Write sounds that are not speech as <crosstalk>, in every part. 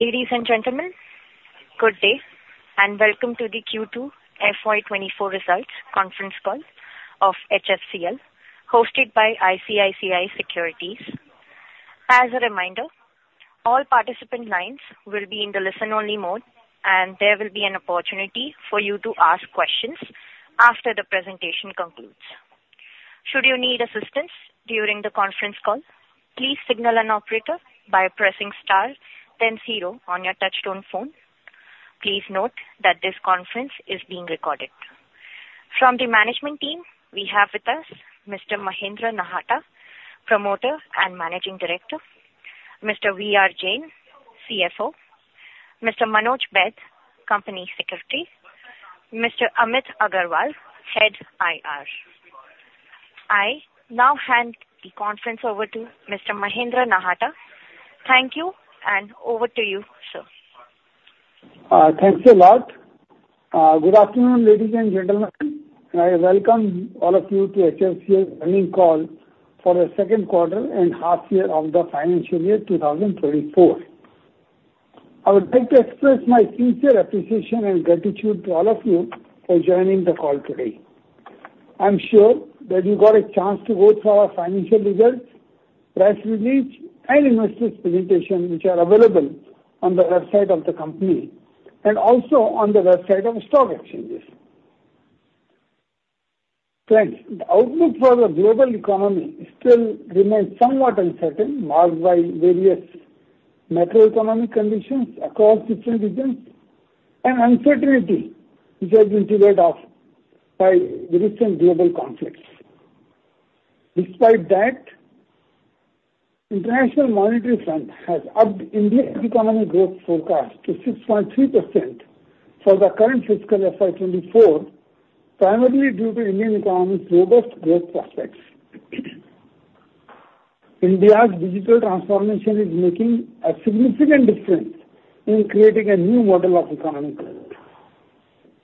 Ladies and gentlemen, good day, and welcome to the Q2 FY 2024 Results Conference Call of HFCL, hosted by ICICI Securities. As a reminder, all participant lines will be in the listen-only mode, and there will be an opportunity for you to ask questions after the presentation concludes. Should you need assistance during the conference call, please signal an operator by pressing star then zero on your touchtone phone. Please note that this conference is being recorded. From the management team, we have with us Mr. Mahendra Nahata, Promoter and Managing Director, Mr. V.R. Jain, CFO, Mr. Manoj Baid, Company Secretary, Mr. Amit Agarwal, Head IR. I now hand the conference over to Mr. Mahendra Nahata. Thank you, and over to you, sir. Thanks a lot. Good afternoon, ladies and gentlemen. I welcome all of you to HFCL's earnings call for the second quarter and half year of the financial year 2024. I would like to express my sincere appreciation and gratitude to all of you for joining the call today. I'm sure that you got a chance to go through our financial results, press release, and investors presentation, which are available on the website of the company and also on the website of stock exchanges. Friends, the outlook for the global economy still remains somewhat uncertain, marked by various macroeconomic conditions across different regions and uncertainty, which has been triggered off by the recent global conflicts. Despite that, International Monetary Fund has upped India's economic growth forecast to 6.3% for the current fiscal year 2024, primarily due to Indian economy's robust growth prospects. India's digital transformation is making a significant difference in creating a new model of economy.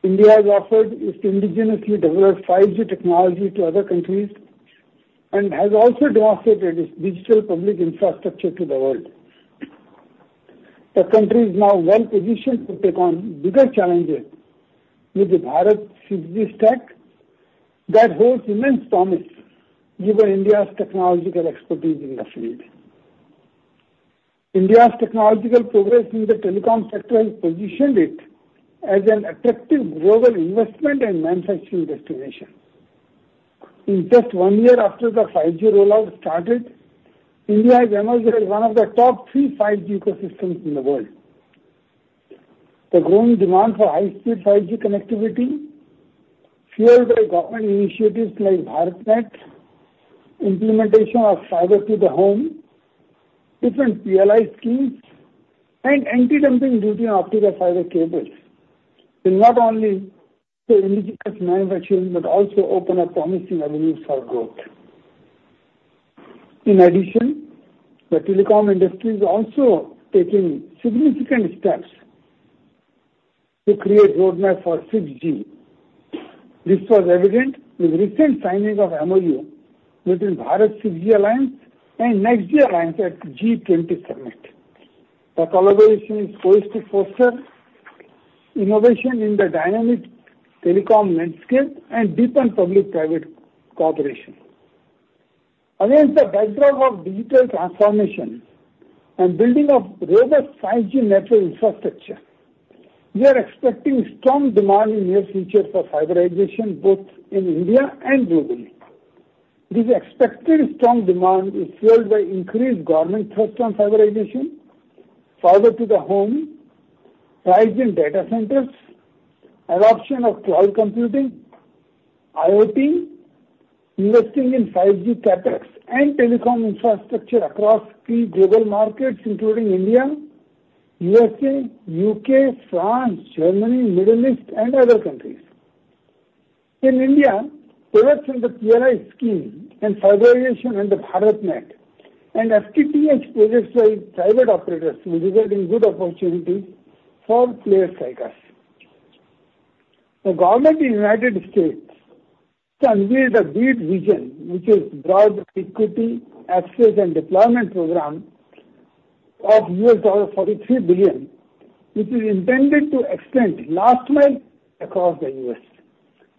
India has offered its indigenously developed 5G technology to other countries and has also demonstrated its digital public infrastructure to the world. The country is now well positioned to take on bigger challenges with the Bharat 5G Stack. That holds immense promise, given India's technological expertise in the field. India's technological progress in the telecom sector has positioned it as an attractive global investment and manufacturing destination. In just one year after the 5G rollout started, India has emerged as one of the top three 5G ecosystems in the world. The growing demand for high-speed 5G connectivity, fueled by government initiatives like BharatNet, implementation of Fiber to the Home, different PLI schemes, and anti-dumping duty on optical fiber cables will not only build indigenous manufacturing but also open up promising avenues for growth. In addition, the telecom industry is also taking significant steps to create roadmap for 6G. This was evident with recent signing of MoU between Bharat 6G Alliance and NextG Alliance at G20 Summit. The collaboration is poised to foster innovation in the dynamic telecom landscape and deepen public-private cooperation. Against the backdrop of digital transformation and building a robust 5G network infrastructure, we are expecting strong demand in near future for fiberization, both in India and globally. This expected strong demand is fueled by increased government thrust on fiberization, Fiber to the Home, rise in data centers, adoption of cloud computing, IoT, investing in 5G CapEx and telecom infrastructure across key global markets including India, USA, U.K., France, Germany, Middle East and other countries. In India, progress in the PLI scheme and fiberization in the BharatNet and FTTH projects by private operators will result in good opportunities for players like us. The government in United States conceived a BEAD vision, which is Broadband Equity, Access, and Deployment program of $43 billion, which is intended to extend last mile across the U.S.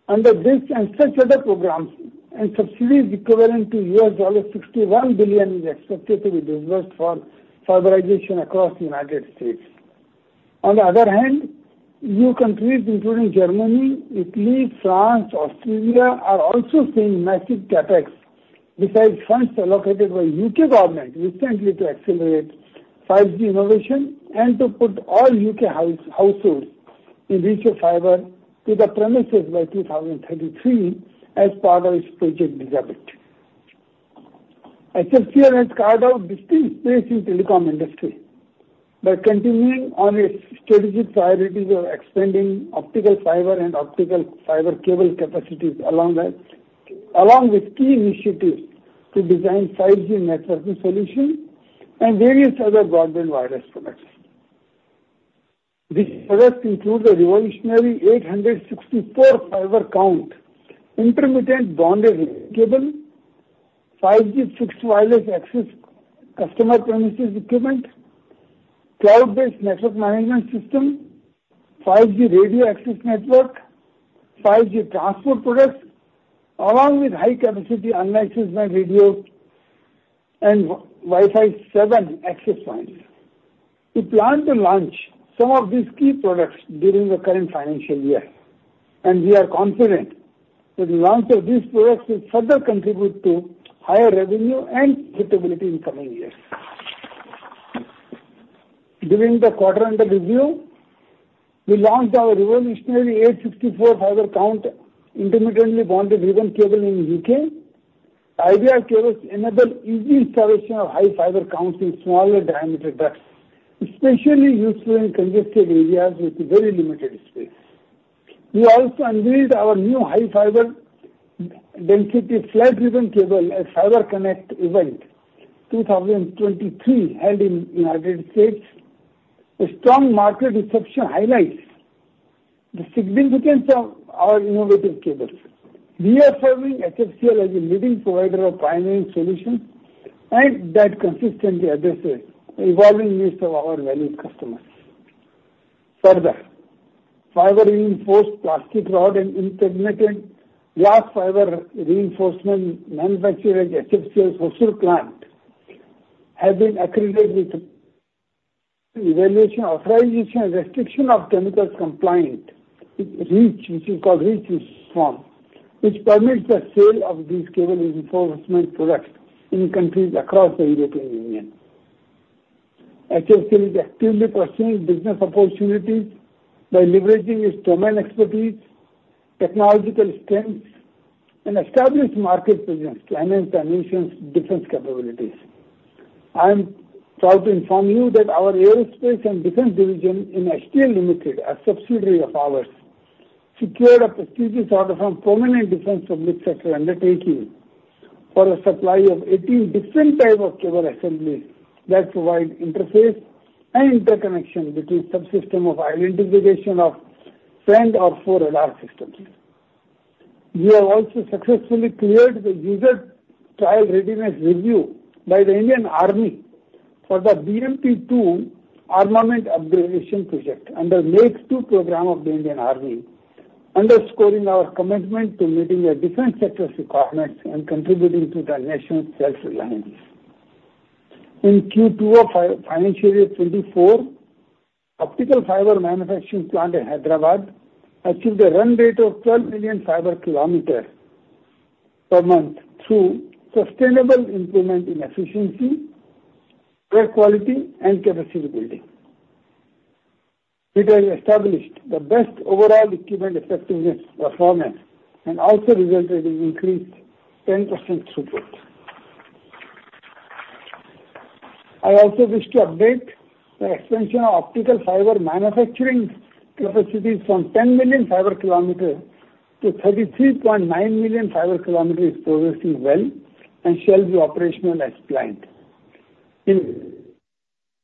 Under this and such other programs, and subsidies equivalent to $61 billion is expected to be dispersed for fiberization across the United States. On the other hand, new countries, including Germany, Italy, France, Australia, are also seeing massive CapEx, besides funds allocated by U.K. government recently to accelerate 5G innovation and to put all U.K. households in reach of fiber to the premises by 2033 as part of its Project Elizabeth. HFCL has carved out distinct space in telecom industry by continuing on its strategic priorities of expanding optical fiber and optical fiber cable capacities, along that, along with key initiatives to design 5G networking solutions and various other broadband wireless products. These products include the revolutionary 864-Fiber Count Intermittently Bonded Cable, 5G Fixed Wireless Access Customer Premises Equipment, Cloud-based Network Management System, 5G Radio Access Network, 5G Transport Products, along with high-capacity Unlicensed Band Radio and Wi-Fi 7 Access Points. We plan to launch some of these key products during the current financial year, and we are confident that the launch of these products will further contribute to higher revenue and profitability in coming years. During the quarter under review, we launched our revolutionary 864-Fiber Count Intermittently Bonded Ribbon Cable in U.K. IBR cables enable easy installation of high fiber counts in smaller diameter ducts, especially useful in congested areas with very limited space. We also unveiled our new high fiber density flat ribbon cable at Fiber Connect event 2023, held in United States. A strong market reception highlights the significance of our innovative cables. HFCL is emerging as a leading provider of product solutions that consistently address the evolving needs of our valued customers. Further, Fiber Reinforced Plastic rod and Impregnated Glass Fiber Reinforcement manufactured at HFCL Hosur plant have been accredited with Registration, Evaluation, Authorization and Restriction of Chemicals compliance, with REACH, for short, which permits the sale of these cable reinforcement products in countries across the European Union. HFCL is actively pursuing business opportunities by leveraging its domain expertise, technological strengths, and established market presence to enhance nation's defense capabilities. I am proud to inform you that our Aerospace and Defense division in HFCL Limited, a subsidiary of ours, secured a prestigious order from prominent defense public sector undertaking for a supply of 18 different type of cable assemblies that provide interface and interconnection between subsystem of Identification Friend or Foe radar systems. We have also successfully cleared the User Trial Readiness Review by the Indian Army for the BMP-2 Armament Upgradation Project under Make-II Program of the Indian Army, underscoring our commitment to meeting the defense sector's requirements and contributing to the national self-reliance. In Q2 of financial year 2024, optical fiber manufacturing plant in Hyderabad achieved a run rate of 12 million fiber km per month through sustainable improvement in efficiency, higher quality, and capacity building. It has established the best Overall Equipment Effectiveness, performance and also resulted in increased 10% throughput. I also wish to update the expansion of optical fiber manufacturing capacities from 10 million fiber km-33.9 million fiber km is progressing well and shall be operational as planned. In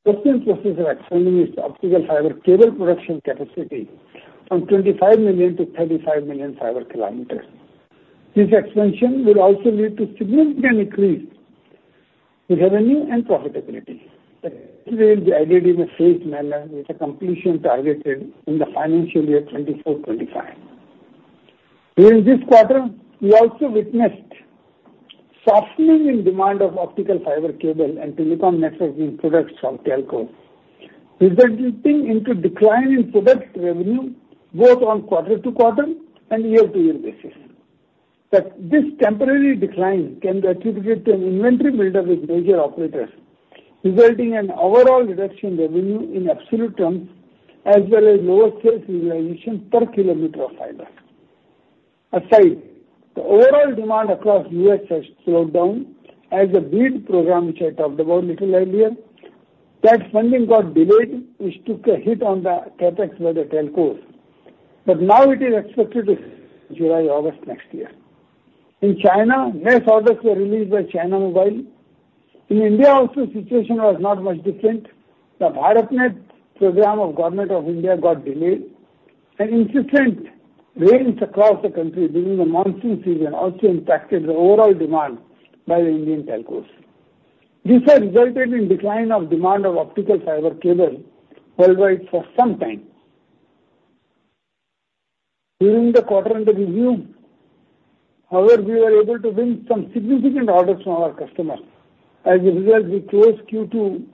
addition, process of expanding its optical fiber cable production capacity from 25 million-35 million fiber km. This expansion will also lead to significant increase in revenue and profitability. The expansion will be added in a phased manner, with a completion targeted in the financial year 2024-2025. During this quarter, we also witnessed softening in demand of optical fiber cable and telecom networking products from telcos, resulting into decline in product revenue both on quarter-to-quarter and year-to-year basis. This temporary decline can be attributed to an inventory build-up with major operators, resulting in overall reduction revenue in absolute terms, as well as lower sales realization per km of fiber. Aside, the overall demand across U.S. has slowed down as the BEAD program, which I talked about little earlier, that funding got delayed, which took a hit on the CapEx by the telcos, but now it is expected in July, August next year. In China, mass orders were released by China Mobile. In India also, situation was not much different. The BharatNet program of Government of India got delayed, and insistent rains across the country during the monsoon season also impacted the overall demand by the Indian telcos. These are resulted in decline of demand of optical fiber cable worldwide for some time. During the quarter under review, however, we were able to win some significant orders from our customers. As a result, we closed Q2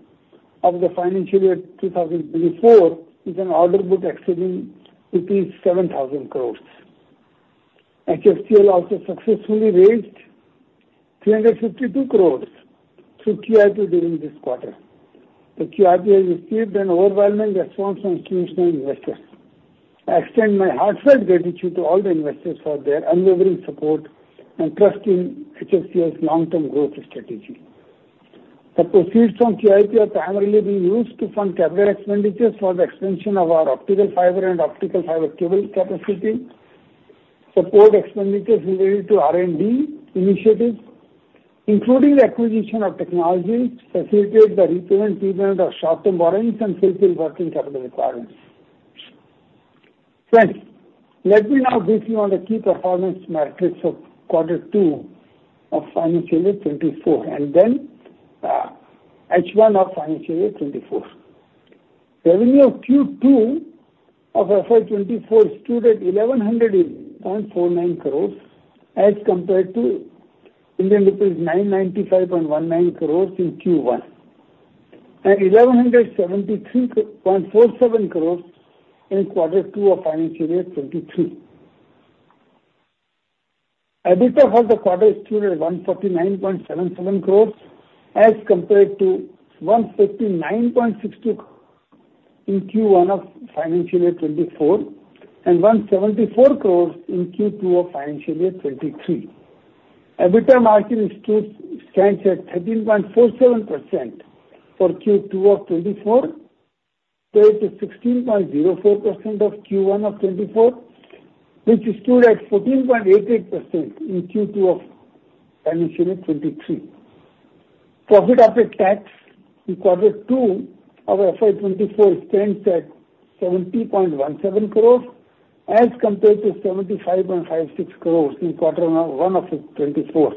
of the financial year 2024 with an order book exceeding rupees 7,000 crore. HFCL also successfully raised 352 crore through QIP during this quarter. The QIP has received an overwhelming response from institutional investors. I extend my heartfelt gratitude to all the investors for their unwavering support and trust in HFCL's long-term growth strategy. The proceeds from QIP are primarily being used to fund capital expenditures for the expansion of our optical fiber and optical fiber cable capacity, support expenditures related to R&D initiatives, including the acquisition of technology to facilitate the repayment, payment of short-term borrowings, and fulfill working capital requirements. Friends, let me now brief you on the key performance metrics of Q2 of financial year 2024 and H1 of financial year 2024. Revenue of Q2 of FY 2024 stood at 1,100.49 crores, as compared to Indian rupees 995.19 crores in Q1, and 1,173.47 crores in Q2 of financial year 2023. EBITDA for the quarter stood at 149.77 crores, as compared to 159.60 in Q1 of financial year 2024, and 174 crores in Q2 of financial year 2023. EBITDA margin stands at 13.47% for Q2 2024, compared to 16.04% of Q1 2024, which stood at 14.88% in Q2 of financial year 2023. Profit after tax in Q2 of FY 2024 stands at 70.17 crore, as compared to 75.56 crore in Q1 of FY 2024,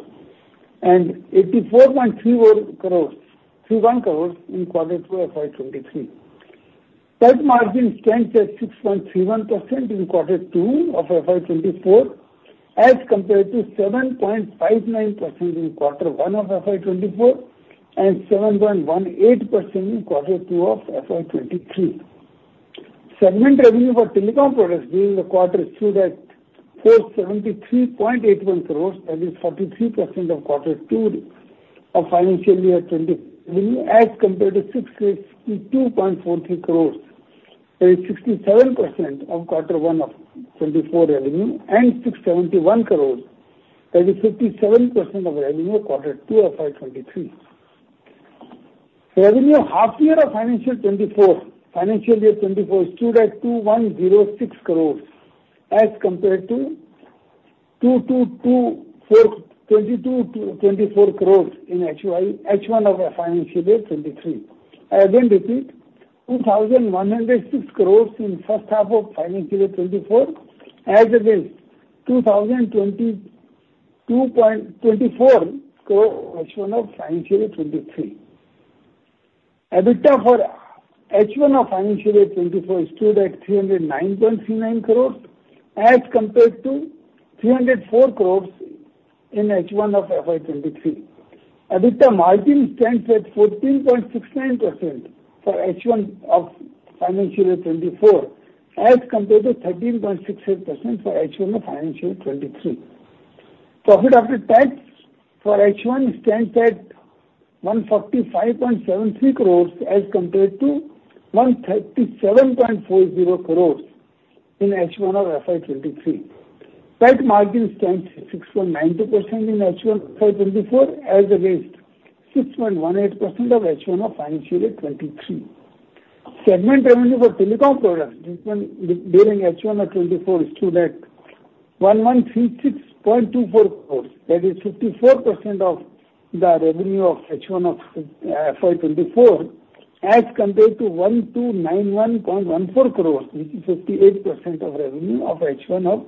and 84.31 crore in Q2 of FY 2023. Profit margin stands at 6.31% in Q2 of FY 2024, as compared to 7.59% in Q1 of FY 2024, and 7.18% in Q2 of FY 2023. Segment revenue for telecom products during the quarter stood at INR 473.81 crore,2 that is 43% of Q of financial year 2020, as compared to 62.43 crore, that is 67% of Q1 2024 revenue, and INR 671 crore, that is 57% of revenue Q2 of FY 2023. <audio distortion> Profit margin stands at 6.90% in H1 FY 2024, as against 6.18% of H1 of financial year 2023. Segment revenue for telecom products during H1 2024 stood at INR 1,136.24 crore. That is 54% of the revenue of H1 of FY 2024, as compared to 1,291.14 crore, which is 58% of revenue of H1 of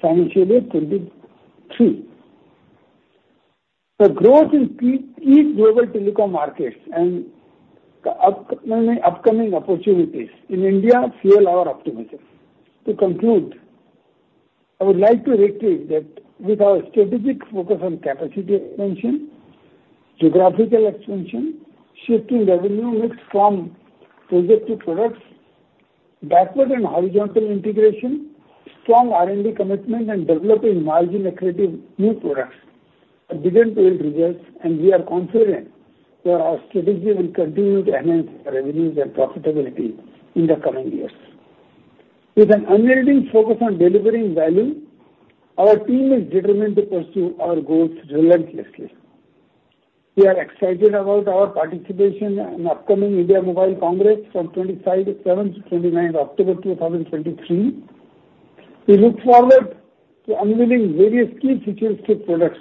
financial year 2023. The growth in key global telecom markets and the upcoming opportunities in India fuel our optimism. To conclude, I would like to reiterate that with our strategic focus on capacity expansion, geographical expansion, shifting revenue mix from projects to products, backward and horizontal integration, strong R&D commitment, and developing margin-accretive new products have begun to yield results, and we are confident that our strategy will continue to enhance our revenues and profitability in the coming years. With an unyielding focus on delivering value, our team is determined to pursue our goals relentlessly. We are excited about our participation in upcoming India Mobile Congress from 25th, seventh to 29th October 2023. We look forward to unveiling various key futuristic products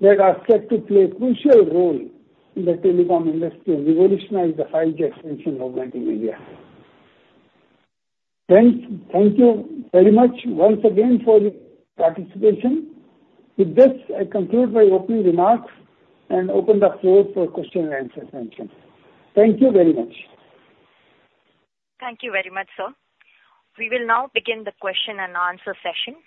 that are set to play a crucial role in the telecom industry and revolutionize the 5G expansion movement in India. Thank you very much once again for your participation. With this, I conclude my opening remarks and open the floor for question and answer session. Thank you very much. Thank you very much, sir. We will now begin the question and answer session.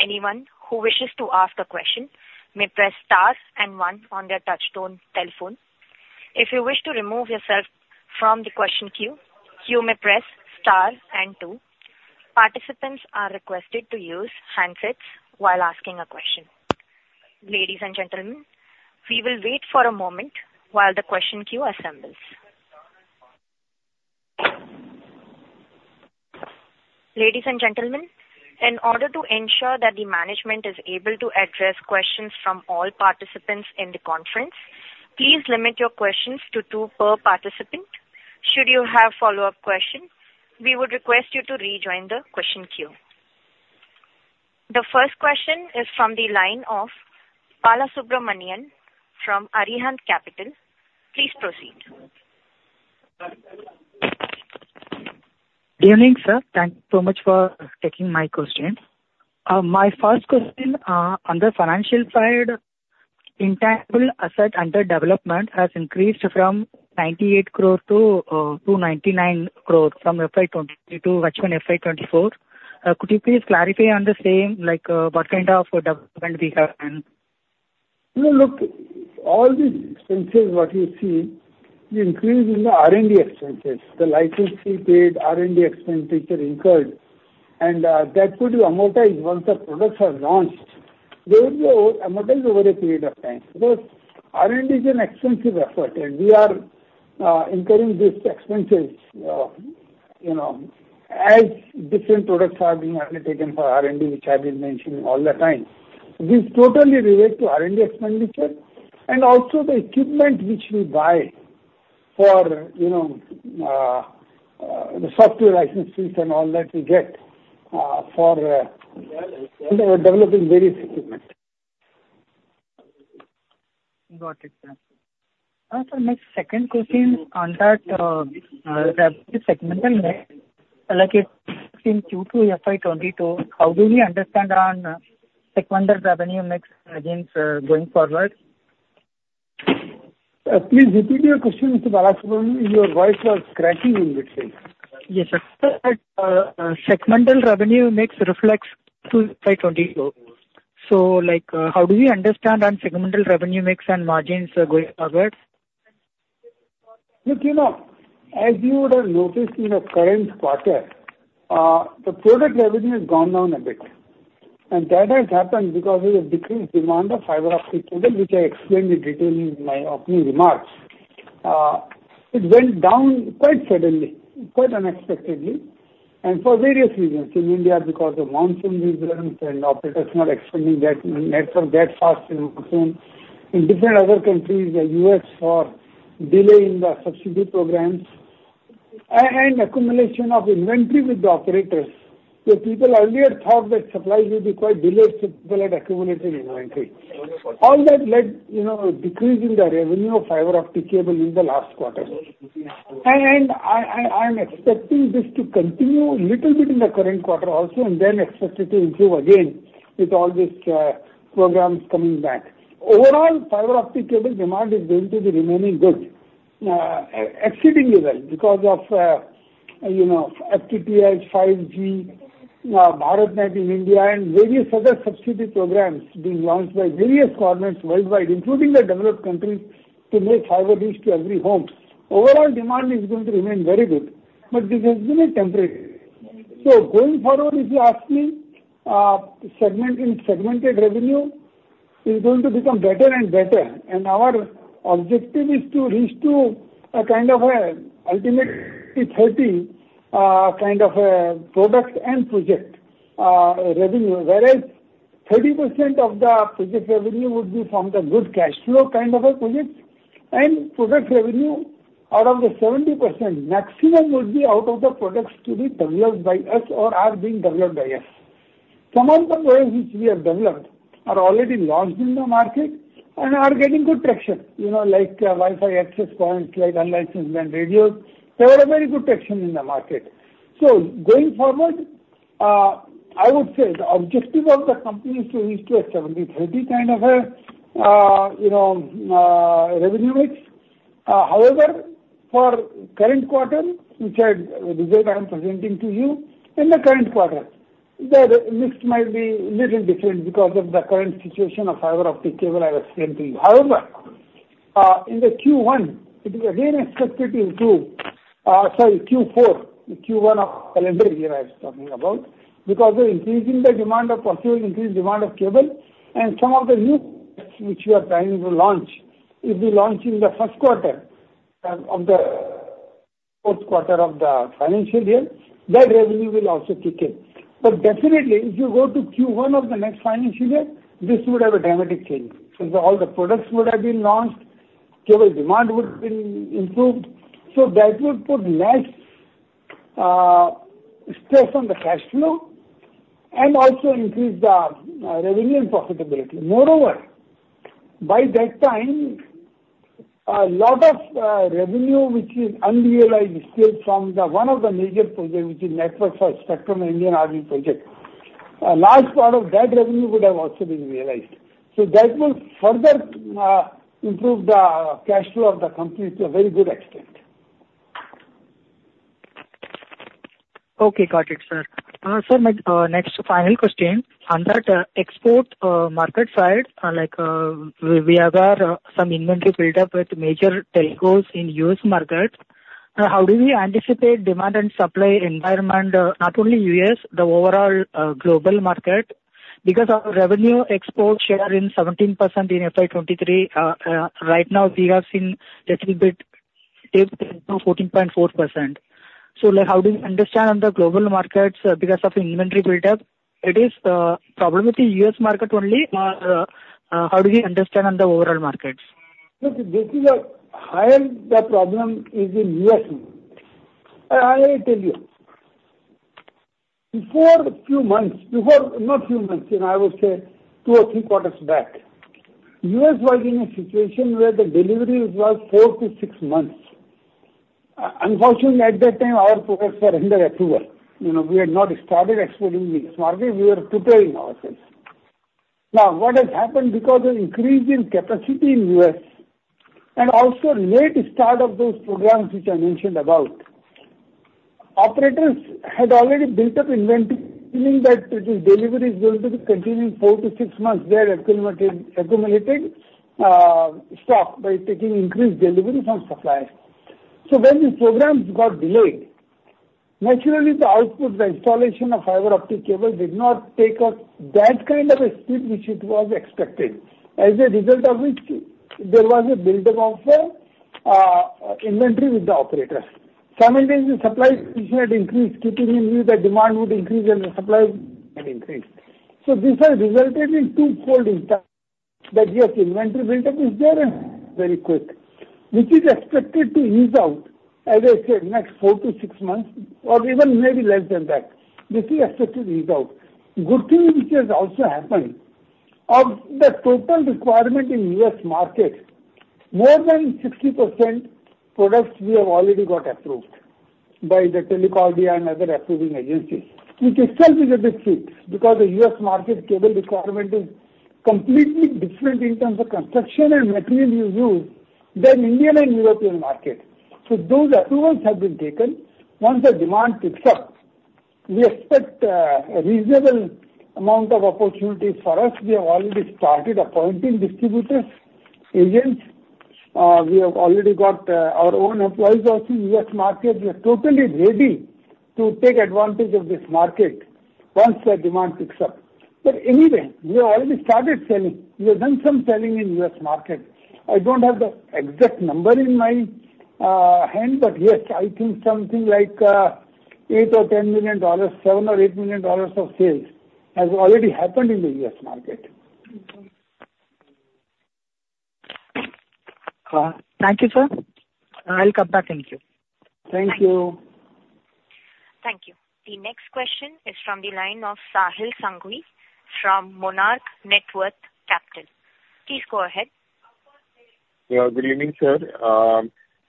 Anyone who wishes to ask a question may press star and one on their touch-tone telephone. If you wish to remove yourself from the question queue, you may press star and two. Participants are requested to use handsets while asking a question. Ladies and gentlemen, we will wait for a moment while the question queue assembles. Ladies and gentlemen, in order to ensure that the management is able to address questions from all participants in the conference, please limit your questions to two per participant. Should you have follow-up questions, we would request you to rejoin the question queue. The first question is from the line of Balasubramanian from Arihant Capital. Please proceed. Evening, sir. Thank you so much for taking my question. My first question on the financial side, intangible asset under development has increased from 98 crore to 299 crore from FY 2022 to actual FY 2024. Could you please clarify on the same, like, what kind of development we have in? No, look, all the expenses what you see, the increase in the R&D expenses, the license fee paid, R&D expenditure incurred, and that could be amortized once the products are launched. They will be amortized over a period of time. Because R&D is an expensive effort, and we are incurring these expenses, you know, as different products are being undertaken for R&D, which I've been mentioning all the time. This totally relate to R&D expenditure and also the equipment which we buy for, you know, the software licenses and all that we get for developing various equipment. Got it, sir. My second question on that segmental mix, like in Q2 FY 2022, how do we understand on segmental revenue mix margins going forward? Please repeat your question, Mr. Balasubramanian. Your voice was cracking in between. Yes, sir. Segmental revenue mix reflects to FY 2022. Like, how do we understand on segmental revenue mix and margins going forward? Look, you know, as you would have noticed in the current quarter, the product revenue has gone down a bit, and that has happened because of a decreased demand of fiber optic cable, which I explained in detail in my opening remarks. It went down quite suddenly, quite unexpectedly, and for various reasons. In India, because of monsoon reasons and operators not expanding that network that fast, you know. In different other countries, the U.S., for delay in the subsidy programs and accumulation of inventory with the operators. People earlier thought that supplies will be quite delayed, so people had accumulated inventory. All that led, you know, a decrease in the revenue of fiber optic cable in the last quarter. I'm expecting this to continue little bit in the current quarter also, and then expect it to improve again with all these programs coming back. Overall, fiber optic cable demand is going to be remaining good, exceedingly well, because of, you know, FTTH, 5G, BharatNet in India, and various other subsidy programs being launched by various governments worldwide, including the developed countries, to take fiber reach to every home. Overall, demand is going to remain very good, but this has been a temporary. Going forward, if you ask me, segmented revenue is going to become better and better, and our objective is to reach to a kind of a ultimate 30 kind of a product and project revenue. Whereas 30% of the project revenue would be from the good cash flow kind of a project, and product revenue, out of the 70% maximum, would be out of the products to be developed by us or are being developed by us. Some of the products which we have developed are already launched in the market and are getting good traction, you know, like Wi-Fi access points, like Unlicensed Band Radios, they are a very good traction in the market. Going forward, I would say the objective of the company is to reach to a 70/30 kind of a, you know, revenue mix. However, for current quarter, result I am presenting to you, in the current quarter, the mix might be little different because of the current situation of fiber optic cable I was explaining to you. However, in Q1, it is again expected to improve, sorry, Q4. The Q1 of calendar year I was talking about, because we're increasing the demand of procurement, increase demand of cable, and some of the new products which we are planning to launch will be launched in the first quarter of the fourth quarter of the financial year, that revenue will also kick in. Definitely, if you go to Q1 of the next financial year, this would have a dramatic change. Since all the products would have been launched, cable demand would have been improved, so that would put less stress on the cash flow and also increase the revenue and profitability. Moreover, by that time, a lot of revenue which is unrealized still from the one of the major project, which is Network for Spectrum Indian Army project, a large part of that revenue would have also been realized. That will further improve the cash flow of the company to a very good extent. Okay, got it, sir. Sir, my next final question. On that export market side, like, we have some inventory built up with major telcos in US market. How do we anticipate demand and supply environment, not only U.S., the overall global market? Because our revenue export share is 17% in FY 2023, right now, we have seen little bit dip to 14.4%. Like, how do you understand on the global markets, because of inventory build-up, it is problem with the US market only? How do we understand on the overall markets? Look, this is a higher. The problem is in U.S. I tell you, before a few months, before, not few months, you know, I would say two or three quarters back, U.S. was in a situation where the delivery was four to six months. Unfortunately, at that time, our products were under approval. You know, we had not started exporting in this market. We were preparing ourselves. Now, what has happened because of increase in capacity in U.S. and also late start of those programs which I mentioned about, operators had already built up inventory, meaning that if the delivery is going to be continuing four to six months, they are accumulating, accumulating stock by taking increased delivery from suppliers. When the programs got delayed, naturally the output, the installation of fiber-optic cable did not take off that kind of a speed which it was expected. As a result of which, there was a buildup of the inventory with the operators. Simultaneously, supply had increased, keeping in view the demand would increase and the supply had increased. This has resulted in twofold impact, that your inventory buildup is there and very quick, which is expected to ease out, as I said, next four to six months or even maybe less than that. This is expected to ease out. Good thing which has also happened, of the total requirement in US market, more than 60% products we have already got approved by Telcordia and other approving agencies, which itself is a big feat, because the US market cable requirement is completely different in terms of construction and material you use than Indian and European market. Those approvals have been taken. Once the demand picks up, we expect a reasonable amount of opportunity for us. We have already started appointing distributors, agents. We have already got our own employees also in US market. We are totally ready to take advantage of this market once the demand picks up. Anyway, we have already started selling. We have done some selling in US market. I don't have the exact number in my hand, but yes, I think something like $8 million-$10 million, $7 million-$8 million of sales has already happened in the US market. Thank you, sir. I'll come back and check. Thank you. Thank you. The next question is from the line of Sahil Sanghvi from Monarch Networth Capital. Please go ahead. Yeah. Good evening, sir.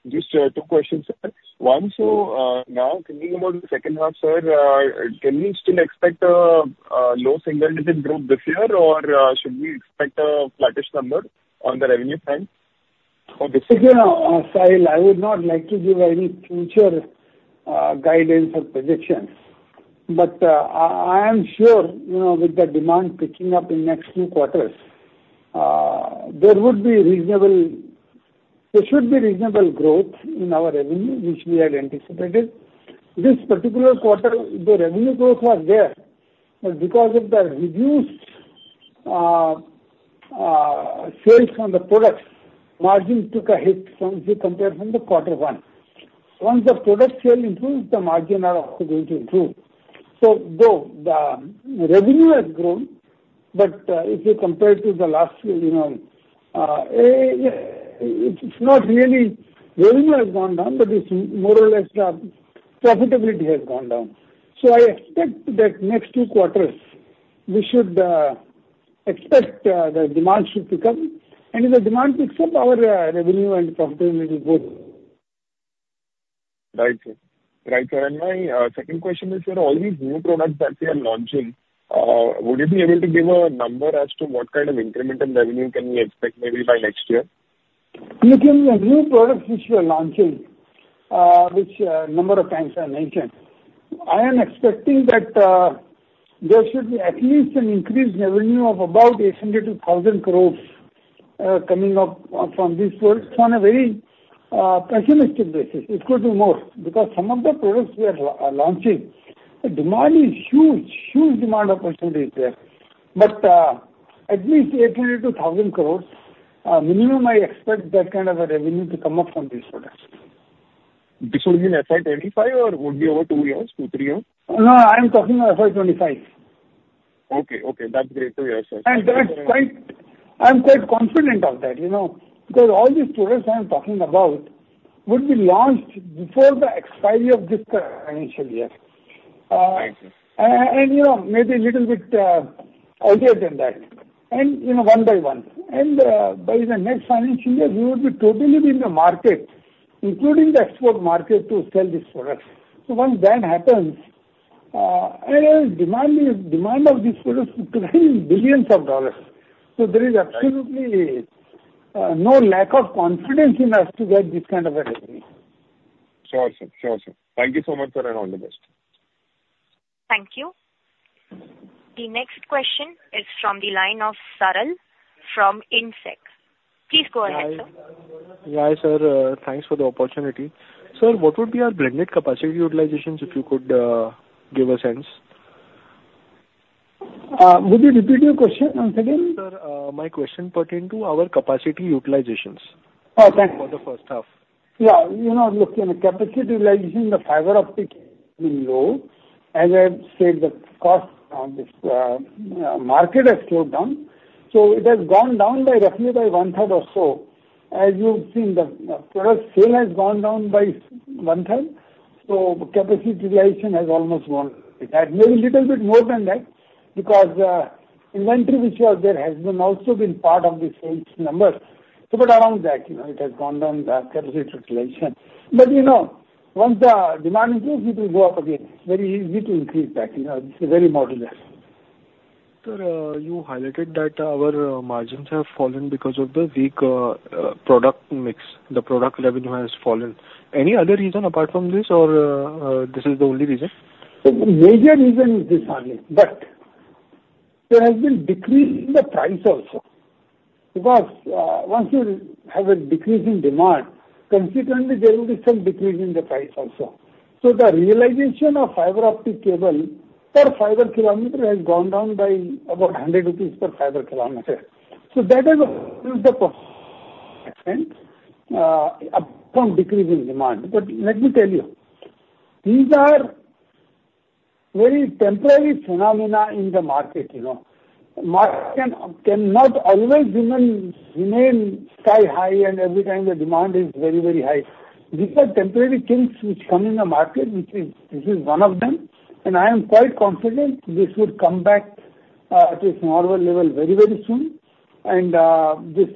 Just two questions, sir. One, now thinking about the second half, sir, can we still expect a low single-digit growth this year, or should we expect a flattish number on the revenue front for this year? You know, Sahil, I would not like to give any future guidance or predictions, but I am sure, you know, with the demand picking up in next few quarters, there should be reasonable growth in our revenue, which we had anticipated. This particular quarter, the revenue growth was there, but because of the reduced sales on the products, margin took a hit if you compare from the quarter one. Once the product sale improves, the margin are also going to improve. Though the revenue has grown, but if you compare it to the last year, you know, it's not really revenue has gone down, but it's more or less the profitability has gone down. I expect that next two quarters, we should expect the demand should pick up. If the demand picks up, our revenue and profitability will grow. Right, sir. Right, sir. My second question is, sir, all these new products that we are launching, would you be able to give a number as to what kind of incremental revenue can we expect maybe by next year? Looking the new products which we are launching, which number of times I mentioned, I am expecting that there should be at least an increased revenue of about 800 crore-1,000 crore coming up from this product on a very pessimistic basis. It could be more, because some of the products we are launching, the demand is huge. Huge demand opportunity is there, but at least 800 crore-1,000 crore minimum I expect that kind of a revenue to come up from these products. This will be in FY 2025 or would be over two years, two to three years? No, I'm talking of FY 2025. Okay. Okay. That's great to hear, sir. I'm quite confident of that, you know, because all these products I'm talking about would be launched before the expiry of this financial year. Right. You know, maybe little bit earlier than that, and, you know, one by one. By the next financial year, we would be totally in the market, including the export market, to sell these products. Once that happens, and demand is, demand of these products is billions of dollars. Right. There is absolutely no lack of confidence in us to get this kind of a revenue. Sure, sir. Sure, sir. Thank you so much, sir, and all the best. Thank you. The next question is from the line of Saral from Indsec. Please go ahead, sir. Hi. Yeah, sir, thanks for the opportunity. Sir, what would be our blended capacity utilizations, if you could give a sense? Would you repeat your question once again? Sir, my question pertain to our capacity utilizations. Oh, thank you. For the first half. Yeah. You know, look, in the capacity utilization, the fiber optic is low. As I said, the cost of this market has slowed down. It has gone down by roughly one-third or so. As you've seen, the product sale has gone down by one-third, so capacity utilization has almost gone with that. Maybe little bit more than that, because inventory which was there has been also been part of the sales numbers. Around that, you know, it has gone down, the capacity utilization. You know, once the demand improves, it will go up again. Very easy to increase that, you know, it's very modular. Sir, you highlighted that our margins have fallen because of the weak product mix, the product revenue has fallen. Any other reason apart from this or this is the only reason? The major reason is this one, but there has been decrease in the price also. Because once you have a decrease in demand, consequently there will be some decrease in the price also. The realization of fiber optic cable per fiber kilometer has gone down by about 100 rupees per fiber kilometer. That is the first upon decrease in demand. Let me tell you, these are very temporary phenomena in the market, you know. Market cannot always remain sky-high, and every time the demand is very, very high. These are temporary things which come in the market, this is one of them. I am quite confident this will come back to its normal level very, very soon. This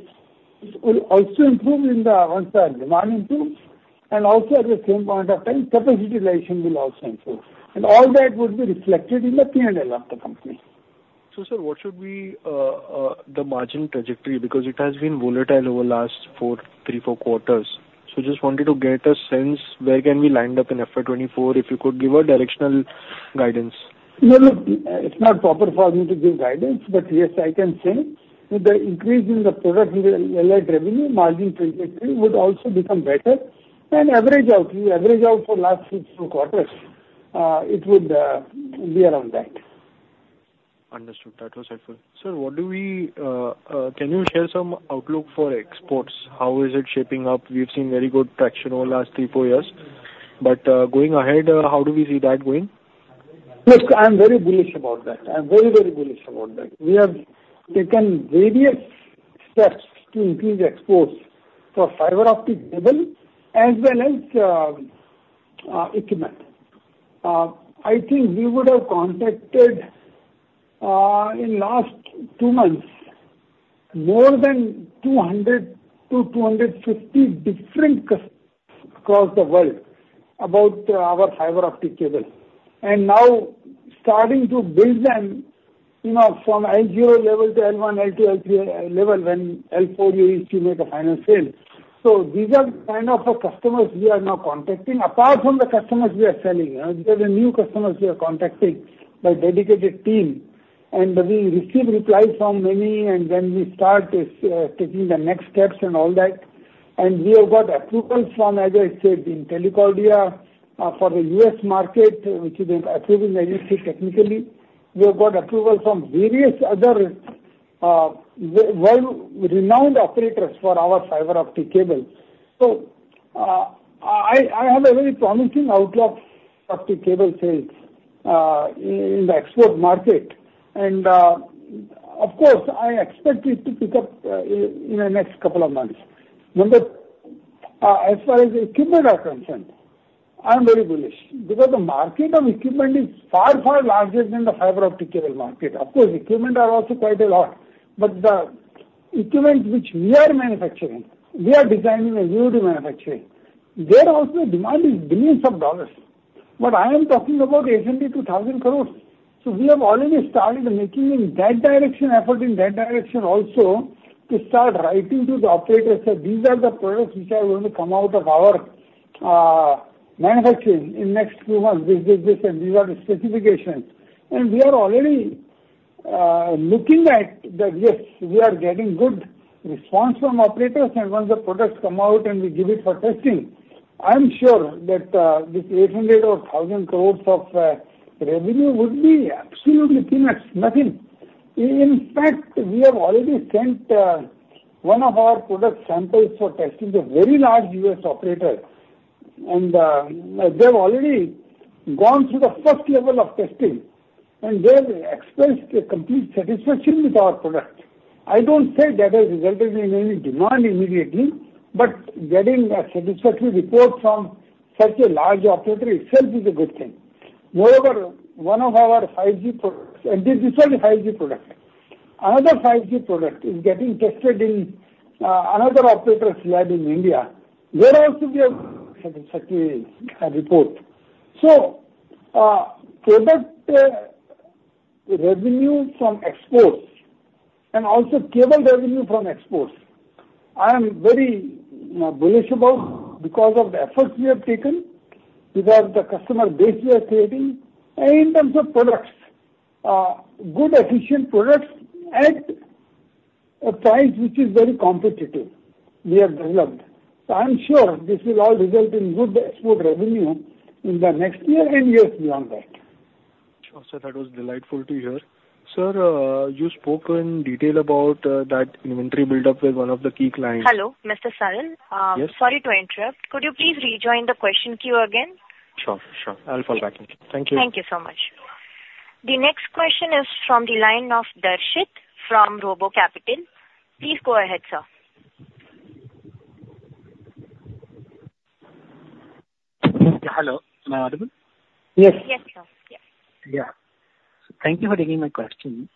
will also improve once the demand improves, and also at the same point of time, capacity utilization will also improve. All that would be reflected in the P&L of the company. Sir, what should be the margin trajectory? Because it has been volatile over the last four, three, four quarters, just wanted to get a sense. Where can we lined up in FY 2024, if you could give a directional guidance? Yeah, look, it's not proper for me to give guidance, but yes, I can say that the increase in the product and the allied revenue margin trajectory would also become better. Average out, you average out for last six, two quarters, it would be around that. Understood. That was helpful. Sir, can you share some outlook for exports? How is it shaping up? We've seen very good traction over the last three to four years. Going ahead, how do we see that going? Yes, I'm very bullish about that. I'm very, very bullish about that. We have taken various steps to increase exports for fiber optic cable as well as equipment. I think we would have contacted in last two months more than 200-250 different customers across the world about our fiber optic cable. Now starting to build them, you know, from L0 level to L1, L2, L3 level, when L4 you make a final sale. These are kind of the customers we are now contacting, apart from the customers we are selling. These are the new customers we are contacting by dedicated team. We receive replies from many, and then we start taking the next steps and all that. We have got approvals from, as I said, in Telcordia for the US market, which has been approved technically. We have got approval from various other well-renowned operators for our fiber optic cable. I have a very promising outlook of the cable sales in the export market. Of course, I expect it to pick up in the next couple of months. As far as equipment are concerned, I'm very bullish because the market of equipment is far, far larger than the fiber optic cable market. Of course, equipment are also quite a lot, but the equipment which we are manufacturing, we are designing and we are manufacturing, there also demand is billions of dollars. I am talking about 80 crore-2,000 crore. We have already started making in that direction, effort in that direction also, to start writing to the operators that these are the products which are going to come out of our manufacturing in next few months, this, this, this, and these are the specifications. We are already looking at that, yes, we are getting good response from operators, and once the products come out and we give it for testing, I am sure that this 800 crore or 1,000 crore of revenue would be absolutely peanuts, nothing. In fact, we have already sent one of our product samples for testing to a very large US operator, and they've already gone through the first level of testing, and they have expressed a complete satisfaction with our product. I don't say that has resulted in any demand immediately, but getting a satisfactory report from such a large operator itself is a good thing. Moreover, one of our 5G products, and this was a 5G product. Another 5G product is getting tested in another operator's lab in India. There also we have satisfactory report. Cable revenue from exports and also cable revenue from exports, I am very bullish about because of the efforts we have taken, because the customer base we are creating, and in terms of products, good, efficient products at a price which is very competitive, we have developed. I'm sure this will all result in good export revenue in the next year and years beyond that. Sure, sir, that was delightful to hear. Sir, you spoke in detail about that inventory buildup with one of the key clients. Hello, Mr. Saral. Yes. Sorry to interrupt. Could you please rejoin the question queue again? Sure, sure. I'll fall back in. Thank you. Thank you so much. The next question is from the line of Darshit from RoboCapital. Please go ahead, sir. Hello, am I audible? Yes. Yes, sir. Yes. Yeah. Thank you for taking my question.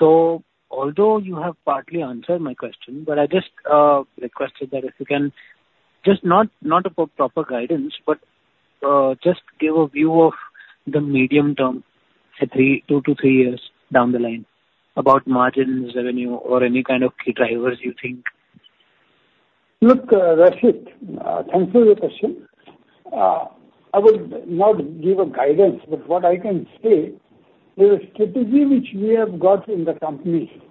Although you have partly answered my question, but I just requested that if you can just, not about proper guidance, but just give a view of the medium term, say two to three years down the line, about margins, revenue, or any kind of key drivers you think. Look, Darshit, thank you for your question. I would not give a guidance, but what I can say is the strategy which we have got in the company,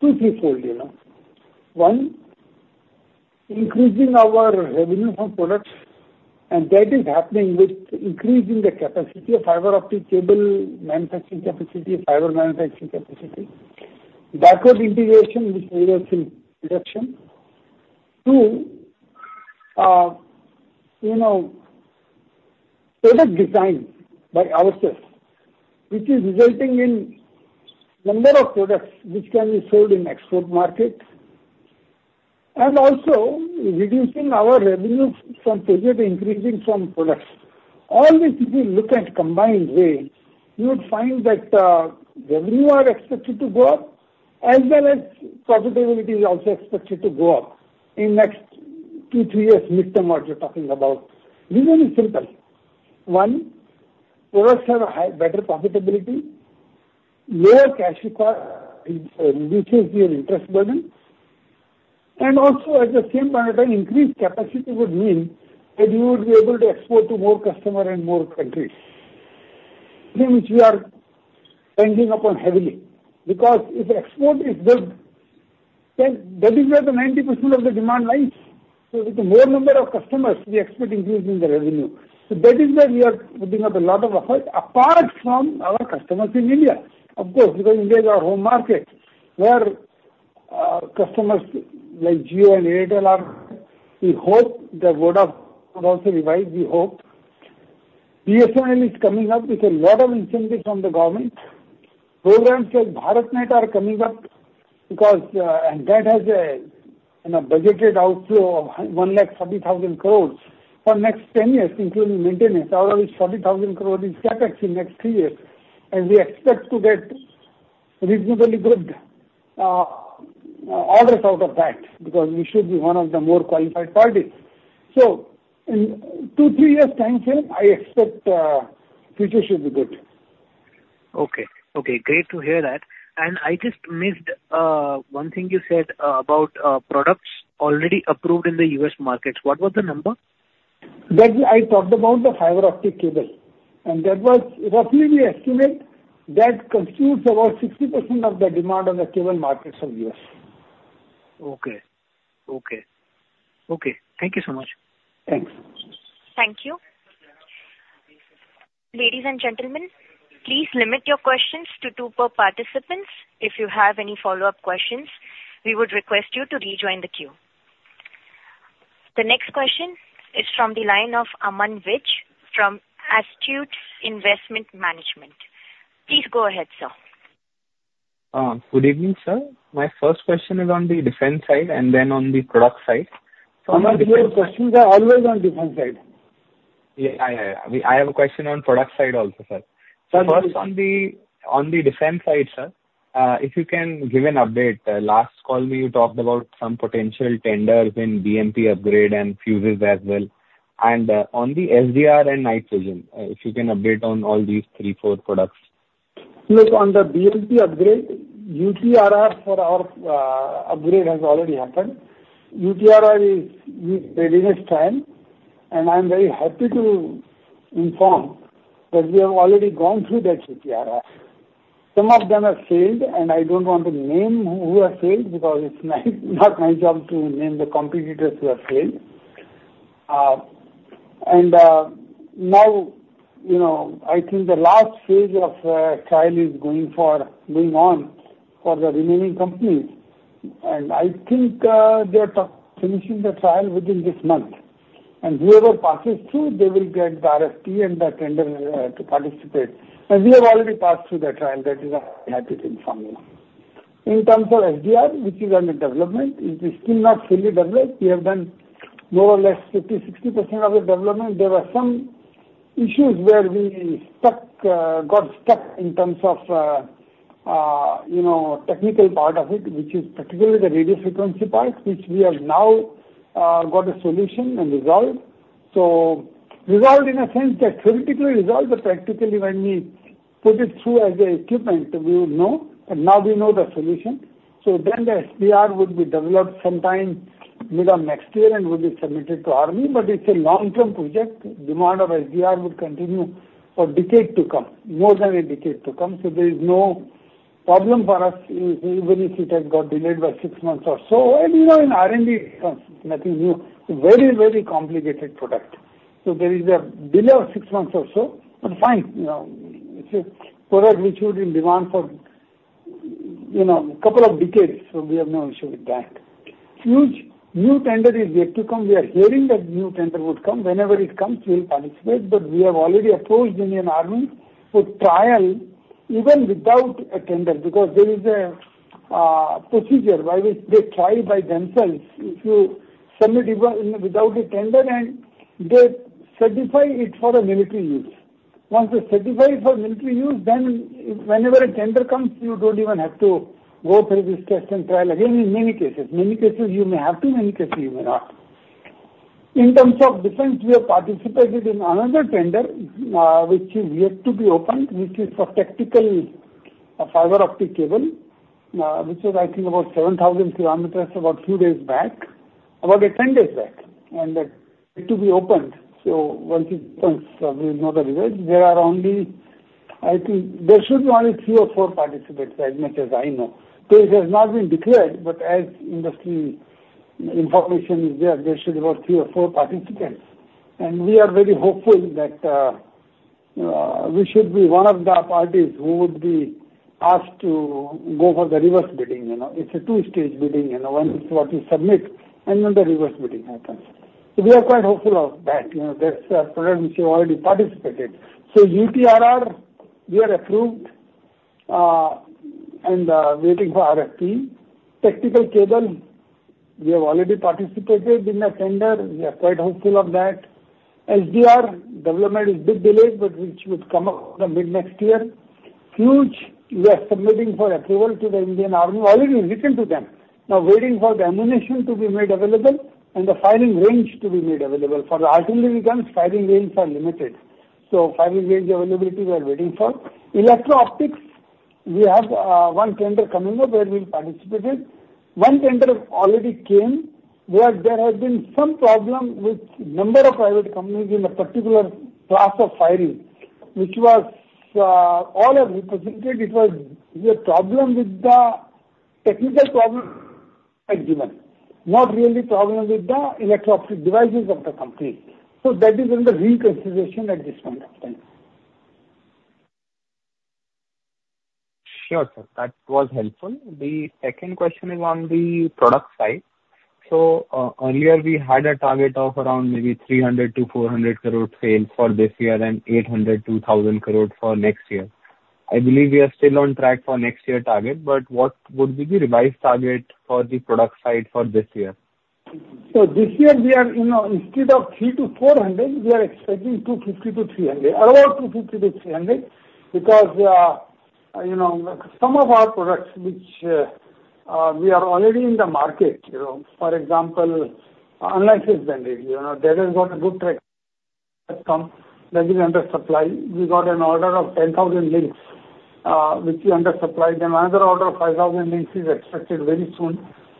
two-threefold, you know. One, increasing our revenue from products, and that is happening with increasing the capacity of fiber optic cable manufacturing capacity, fiber manufacturing capacity. Backward integration, which reduces reduction. Two, you know, product design by ourselves, which is resulting in number of products which can be sold in export market, and also reducing our revenue from project, increasing from products. All these, if you look at combined way, you would find that revenue are expected to go up as well as profitability is also expected to go up in next two to three years, mid-term what you're talking about. The reason is simple. One, products have a high, better profitability, lower cash required, which is the interest burden. Also, at the same time, increased capacity would mean that you would be able to export to more customer and more countries, thing which we are banking upon heavily. Because if the export is good, then that is where the 90% of the demand lies. With more number of customers, we expect increase in the revenue. That is where we are putting up a lot of effort, apart from our customers in India, of course, because India is our home market, where customers like Jio and Airtel are, we hope they would have also revised the hope. BSNL is coming up with a lot of incentives from the government. Programs like BharatNet are coming up because, and that has a, you know, budgeted outflow of 130,000 crore for next 10 years, including maintenance. Out of which 30,000 crore is set up in next three years, and we expect to get reasonably good orders out of that, because we should be one of the more qualified parties. In two to three years time frame, I expect future should be good. Okay. Okay, great to hear that. I just missed one thing you said about products already approved in the US markets. What was the number? That I talked about the fiber optic cable, and that was roughly we estimate that consumes about 60% of the demand on the cable markets of U.S. Okay. Okay. Okay. Thank you so much. Thanks. Thank you. Ladies and gentlemen, please limit your questions to two per participant. If you have any follow-up questions, we would request you to rejoin the queue. The next question is from the line of Aman Vij from Astute Investment Management. Please go ahead, sir. Good evening, sir. My first question is on the defense side and then on the product side. Aman, your questions are always on defense side. Yeah, yeah, yeah. I have a question on product side also, sir. First, on the defense side, sir, if you can give an update. Last call, you talked about some potential tenders in BMP upgrade and fuses as well, and on the SDR and nitrogen. If you can update on all these three-four products. Look, on the BMP upgrade, UTRR for our upgrade has already happened. UTRR is with readiness time, and I'm very happy to inform that we have already gone through that UTRR. Some of them have failed, and I don't want to name who has failed, because it's not my job to name the competitors who have failed. Now, you know, I think the last phase of trial is going on for the remaining companies, and I think they're finishing the trial within this month. Whoever passes through, they will get the RFP and the tender to participate. We have already passed through the trial, that is I'm happy to inform you. In terms of SDR, which is under development, it is still not fully developed. We have done more or less 50%-60% of the development. There were some issues where we got stuck in terms of, you know, technical part of it, which is particularly the radio frequency part, which we have now got a solution and resolved. Resolved in a sense that theoretically resolved, but practically when we put it through as an equipment, we would know, and now we know the solution. Then the SDR would be developed sometime mid of next year and will be submitted to army. But it's a long-term project. Demand of SDR would continue for decade to come, more than a decade to come. So there is no problem for us, even if it has got delayed by six months or so. You know, in R&D, nothing new. It's a very, very complicated product. There is a delay of six months or so, but fine, you know, it's a product which would in demand for... You know, a couple of decades, so we have no issue with that. Huge new tender is yet to come. We are hearing that new tender would come. Whenever it comes, we'll participate, but we have already approached Indian Army for trial, even without a tender, because there is a procedure by which they try by themselves. If you submit it without a tender, and they certify it for a military use. Once they certify it for military use, then whenever a tender comes, you don't even have to go through this test and trial again in many cases. Many cases you may have to, many cases you may not. In terms of defense, we have participated in another tender which is yet to be opened, which is for tactical fiber optic cable, which is, I think, about 7,000 km, about few days back, about 10 days back, and that to be opened. Once it opens, we'll know the results. I think there should be only three or four participants, as much as I know. It has not been declared, but as industry information is there, there should be about three or four participants. We are very hopeful that we should be one of the parties who would be asked to go for the reverse bidding, you know. It's a two-stage bidding, you know, one is what you submit, and then the reverse bidding happens. We are quite hopeful of that. You know, that's a program which we've already participated. UTRR, we are approved and waiting for RFP. Tactical cable, we have already participated in the tender. We are quite hopeful of that. SDR development is bit delayed, but which would come up the mid-next year. Fuze, we are submitting for approval to the Indian Army, already we've written to them. Now, waiting for the ammunition to be made available and the firing range to be made available. For the artillery guns, firing range are limited. Firing range availability, we are waiting for. Electro-optics, we have one tender coming up where we participated. One tender already came, where there has been some problem with number of private companies in a particular class of firing, which was all are represented. It was a technical problem at their end, not really problem with the electro-optic devices of the company. So that is under reconsideration at this point of time. Sure, sir. That was helpful. The second question is on the product side. Earlier, we had a target of around maybe 300 crore-400 crore sales for this year and 800 crore-1,000 crore for next year. I believe we are still on track for next year target, but what would be the revised target for the product side for this year? This year, we are, you know, instead of 3-400 crore, we are expecting 250-300 crore, around 250-300 crore, because you know, some of our products which we are already in the market, you know. For example, Unlicensed Band Radio, you know, that has got a good track record, that is in undersupply. We got an order of 10,000 links which we undersupplied. Another order of 5,000 links is expected very soon,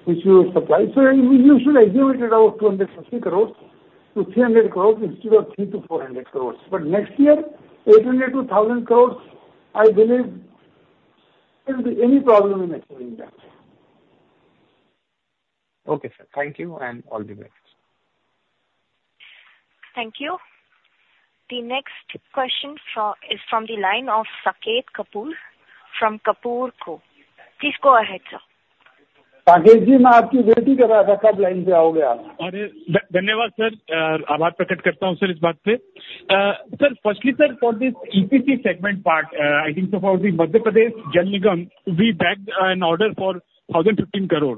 which we will supply. We usually estimated about 250 crore-300 crore instead of 3-400 crore. Next year, 800-1,000 crore, I believe there won't be any problem in achieving that. Okay, sir. Thank you, and all the best. Thank you. The next question is from the line of Saket Kapoor from Kapoor Co. Please go ahead, sir. Saket, sir, firstly, sir, for this EPC segment part, I think so for the Madhya Pradesh Jal Nigam, we bagged an order for 1,015 crore.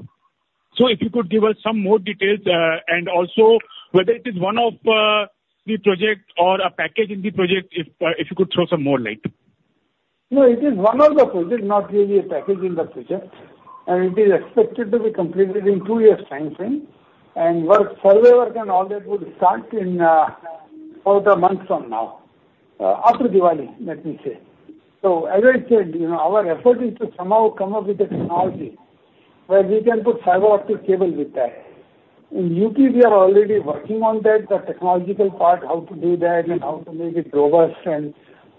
If you could give us some more details and also whether it is one of the project or a package in the project, if you could throw some more light. No, it is one of the projects, not really a package in the project, and it is expected to be completed in two years' time frame. Work, survey work and all that would start in four to months from now after Diwali, let me say. As I said, you know, our effort is to somehow come up with a technology where we can put fiber optic cable with that. In U.K., we are already working on that, the technological part, how to do that and how to make it robust and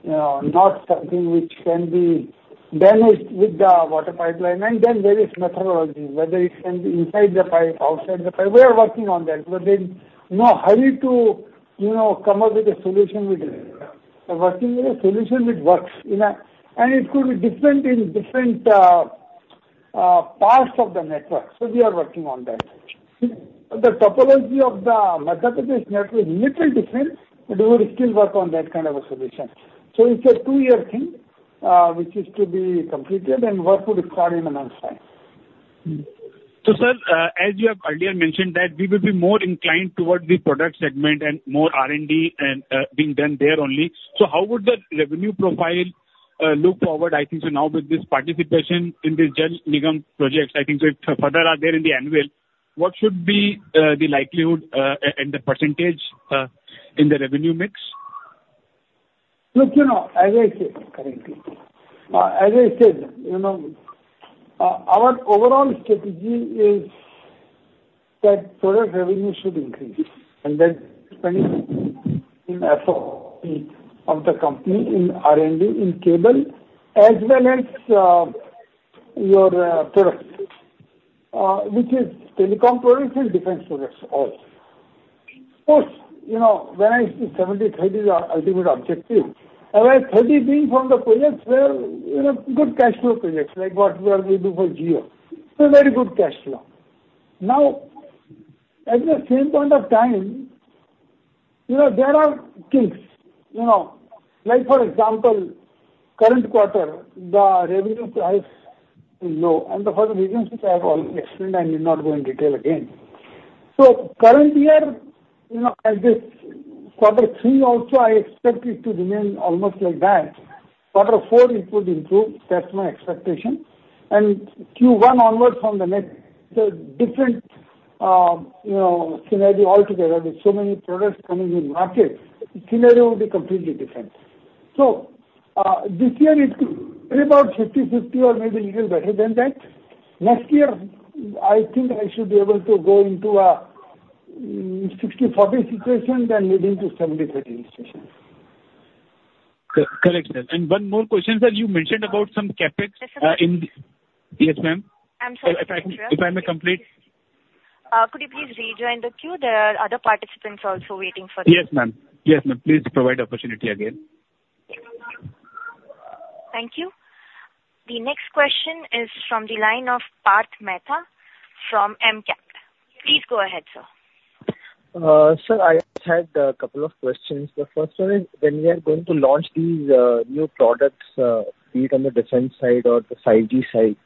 not something which can be damaged with the water pipeline. Various methodologies, whether it can be inside the pipe, outside the pipe. We are working on that, but then no hurry to, you know, come up with a solution with... We're working with a solution which works in a, and it could be different in different parts of the network. We are working on that. The topology of the Madhya Pradesh network is little different, but we would still work on that kind of a solution. It's a two-year thing which is to be completed and work will start in a month's time. Sir, as you have earlier mentioned that we will be more inclined towards the product segment and more R&D being done there only. How would the revenue profile look forward? I think so now with this participation in the Jal Nigam projects, I think it further out there in the annual, what should be the likelihood and the percentage in the revenue mix? Look, you know, as I said, currently, as I said, you know, our overall strategy is that product revenue should increase, and that's spending in FOP of the company, in R&D, in cable, as well as your products, which is telecom products and defense products all. Of course, you know, when I see 70/30 is our ultimate objective, where 30 being from the projects, well, you know, good cash flow projects, like what we are doing for Jio. Very good cash flow. Now, at the same point of time, you know, there are things, you know, like for example, current quarter, the revenue price is low, and for the reasons which I have already explained, I need not go in detail again. Current year, you know, at this quarter three also, I expect it to remain almost like that. Q4, it would improve, that's my expectation. Q1 onwards from the next, so different, you know, scenario altogether. With so many products coming in market, scenario will be completely different. This year it could be about 50/50 or maybe a little better than that. Next year, I think I should be able to go into a 60/40 situation, then leading to 70/30 situation. Correct, sir. One more question, sir. You mentioned about some CapEx in- Yes, ma'am. I'm sorry to interrupt. If I may complete. Could you please rejoin the queue? There are other participants also waiting for you. Yes, ma'am. Yes, ma'am, please provide opportunity again. Thank you. The next question is from the line of Parth Mehta from Emkay. Please go ahead, sir. Sir, I had a couple of questions. The first one is, when we are going to launch these new products, be it on the defense side or the 5G side,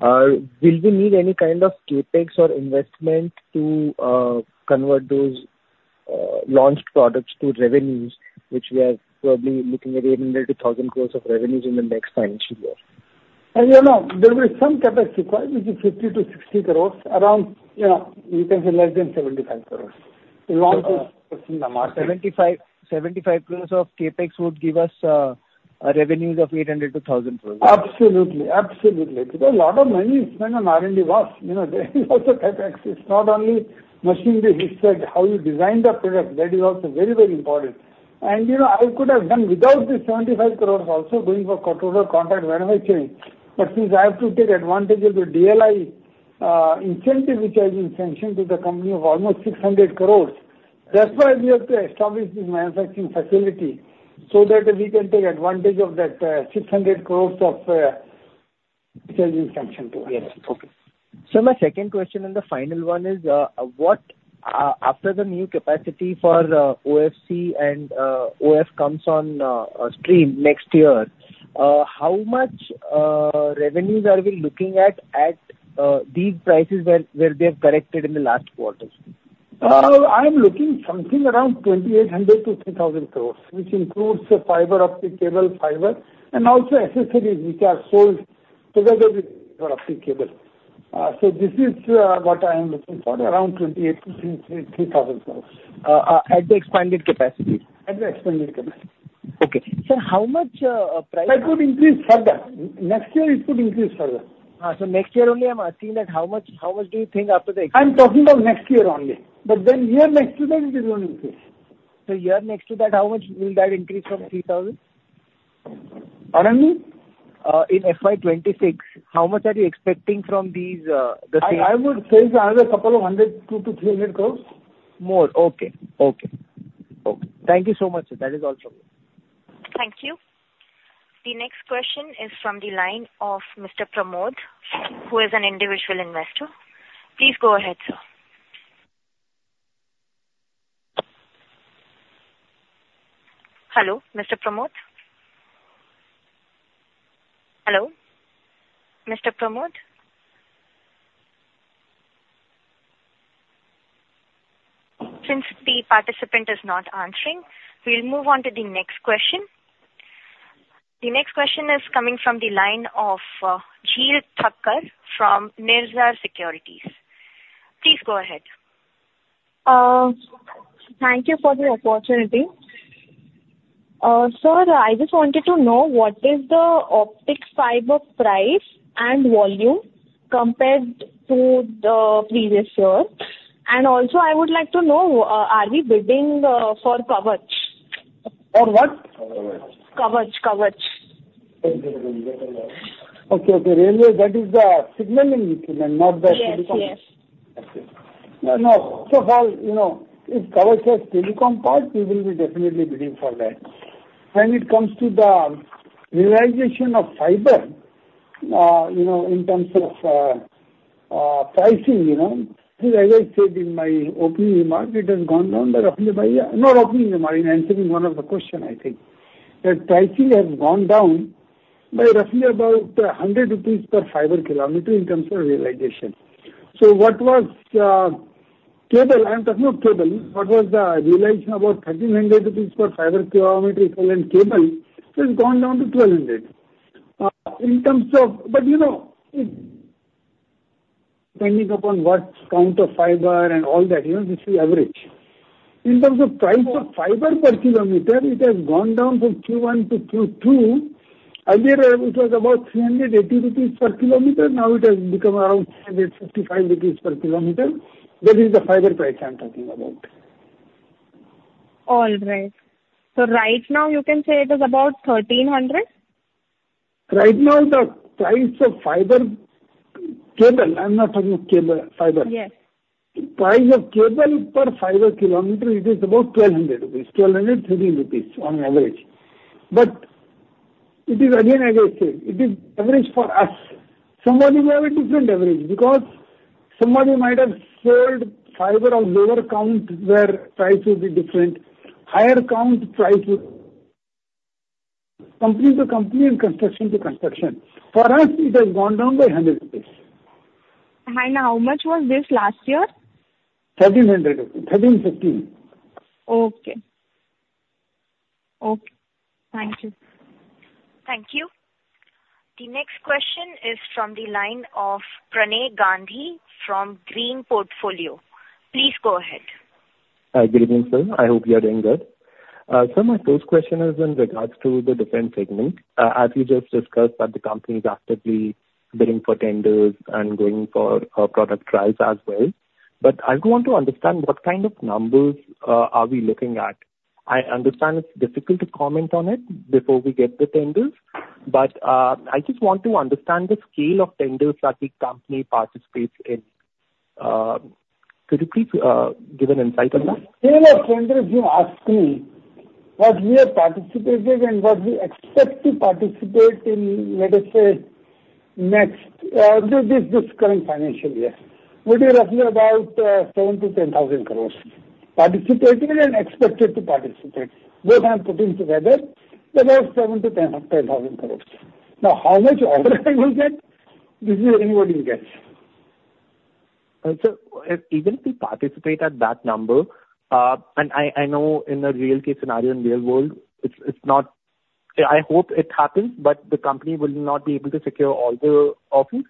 will we need any kind of CapEx or investment to convert those launched products to revenues, which we are probably looking at 800 crore-1,000 crore of revenues in the next financial year? You know, there will be some CapEx required, which is 50 crore-60 crore, around, you know, you can say less than 75 crore. We want to in the market. 75, 75 crore of CapEx would give us revenues of 800 crore-1,000 crore? Absolutely, absolutely. Because a lot of money is spent on R&D was, you know, there is also CapEx. It's not only machinery, it's like how you design the product, that is also very, very important. You know, I could have done without this 75 crore also going for total contract whenever change. Since I have to take advantage of the DLI incentive which has been sanctioned to the company of almost 600 crore, that's why we have to establish this manufacturing facility, so that we can take advantage of that 600 crore of which has been sanctioned to us. Okay. Sir, my second question and the final one is, after the new capacity for OFC and OF. comes on stream next year, how much revenues are we looking at at these prices where they have corrected in the last quarters? I am looking something around 2,800 crore-3,000 crore, which includes the fiber optic cable, fiber, and also accessories, which are sold together with fiber optic cable. This is what I am looking for, around 2,800 crore-3,000 crore. At the expanded capacity? At the expanded capacity. Okay. Sir, how much price? That could increase further. Next year, it could increase further. Next year only I'm asking that how much, how much do you think after the expansion? I'm talking about next year only, but then year next to that, it will only increase. Year next to that, how much will that increase from 3,000? Pardon me? In F.Y. 2026, how much are you expecting from these, the same- I would say it's another 200 crore, 200 crore-300 crore. More. Okay. Okay. Okay. Thank you so much, sir. That is all from me. Thank you. The next question is from the line of Mr. Pramod, who is an individual investor. Please go ahead, sir. Hello, Mr. Pramod? Hello, Mr. Pramod? Since the participant is not answering, we'll move on to the next question. The next question is coming from the line of Jeel Thakkar from Nirala Securities. Please go ahead. Thank you for the opportunity. Sir, I just wanted to know, what is the optical fiber price and volume compared to the previous year? Also I would like to know, are we bidding for Kavach? For what? Kavach, Kavach. Okay, okay. Really, that is the signaling requirement, not the telecom. Yes, yes. Okay. No, first of all, you know, if Kavach has telecom part, we will be definitely bidding for that. When it comes to the realization of fiber, you know, in terms of pricing, you know, as I said in my opening remark, it has gone down, but roughly by... Not opening remark, in answering one of the question, I think. That pricing has gone down by roughly about 100 rupees per fiber km in terms of realization. So what was cable, I'm talking of cable, what was the realization about 1,300 rupees per fiber km for land cable, it has gone down to 1,200. In terms of... But you know, it, depending upon what count of fiber and all that, you know, this is average. In terms of price of fiber per kilometer, it has gone down from Q1 to Q2. Earlier, it was about 380 rupees per km, now it has become around 355 rupees per km. That is the fiber price I'm talking about. All right. Right now you can say it is about 1,300? Right now, the price of fiber cable, I'm not talking of cable, fiber. Yes. Price of cable per fiber kilometer, it is about 1,200 rupees, 1,213 rupees on average. It is, again, as I said, it is average for us. Somebody will have a different average, because somebody might have sold fiber of lower count, where price will be different. Higher count, price will company to company and construction to construction. For us, it has gone down by 100 rupees. How much was this last year? 13, 15. Okay. Okay. Thank you. Thank you. The next question is from the line of Pranay Gandhi from Green Portfolio. Please go ahead. Hi, good evening, sir. I hope you are doing good. My first question is in regards to the defense segment. As you just discussed, that the company is actively bidding for tenders and going for product trials as well. I want to understand what kind of numbers are we looking at? I understand it's difficult to comment on it before we get the tenders, but I just want to understand the scale of tenders that the company participates in. Could you please give an insight on that? <audio distortion> Sir, even if we participate at that number, and I know in a real case scenario, in real world, I hope it happens, but the company will not be able to secure all the offers.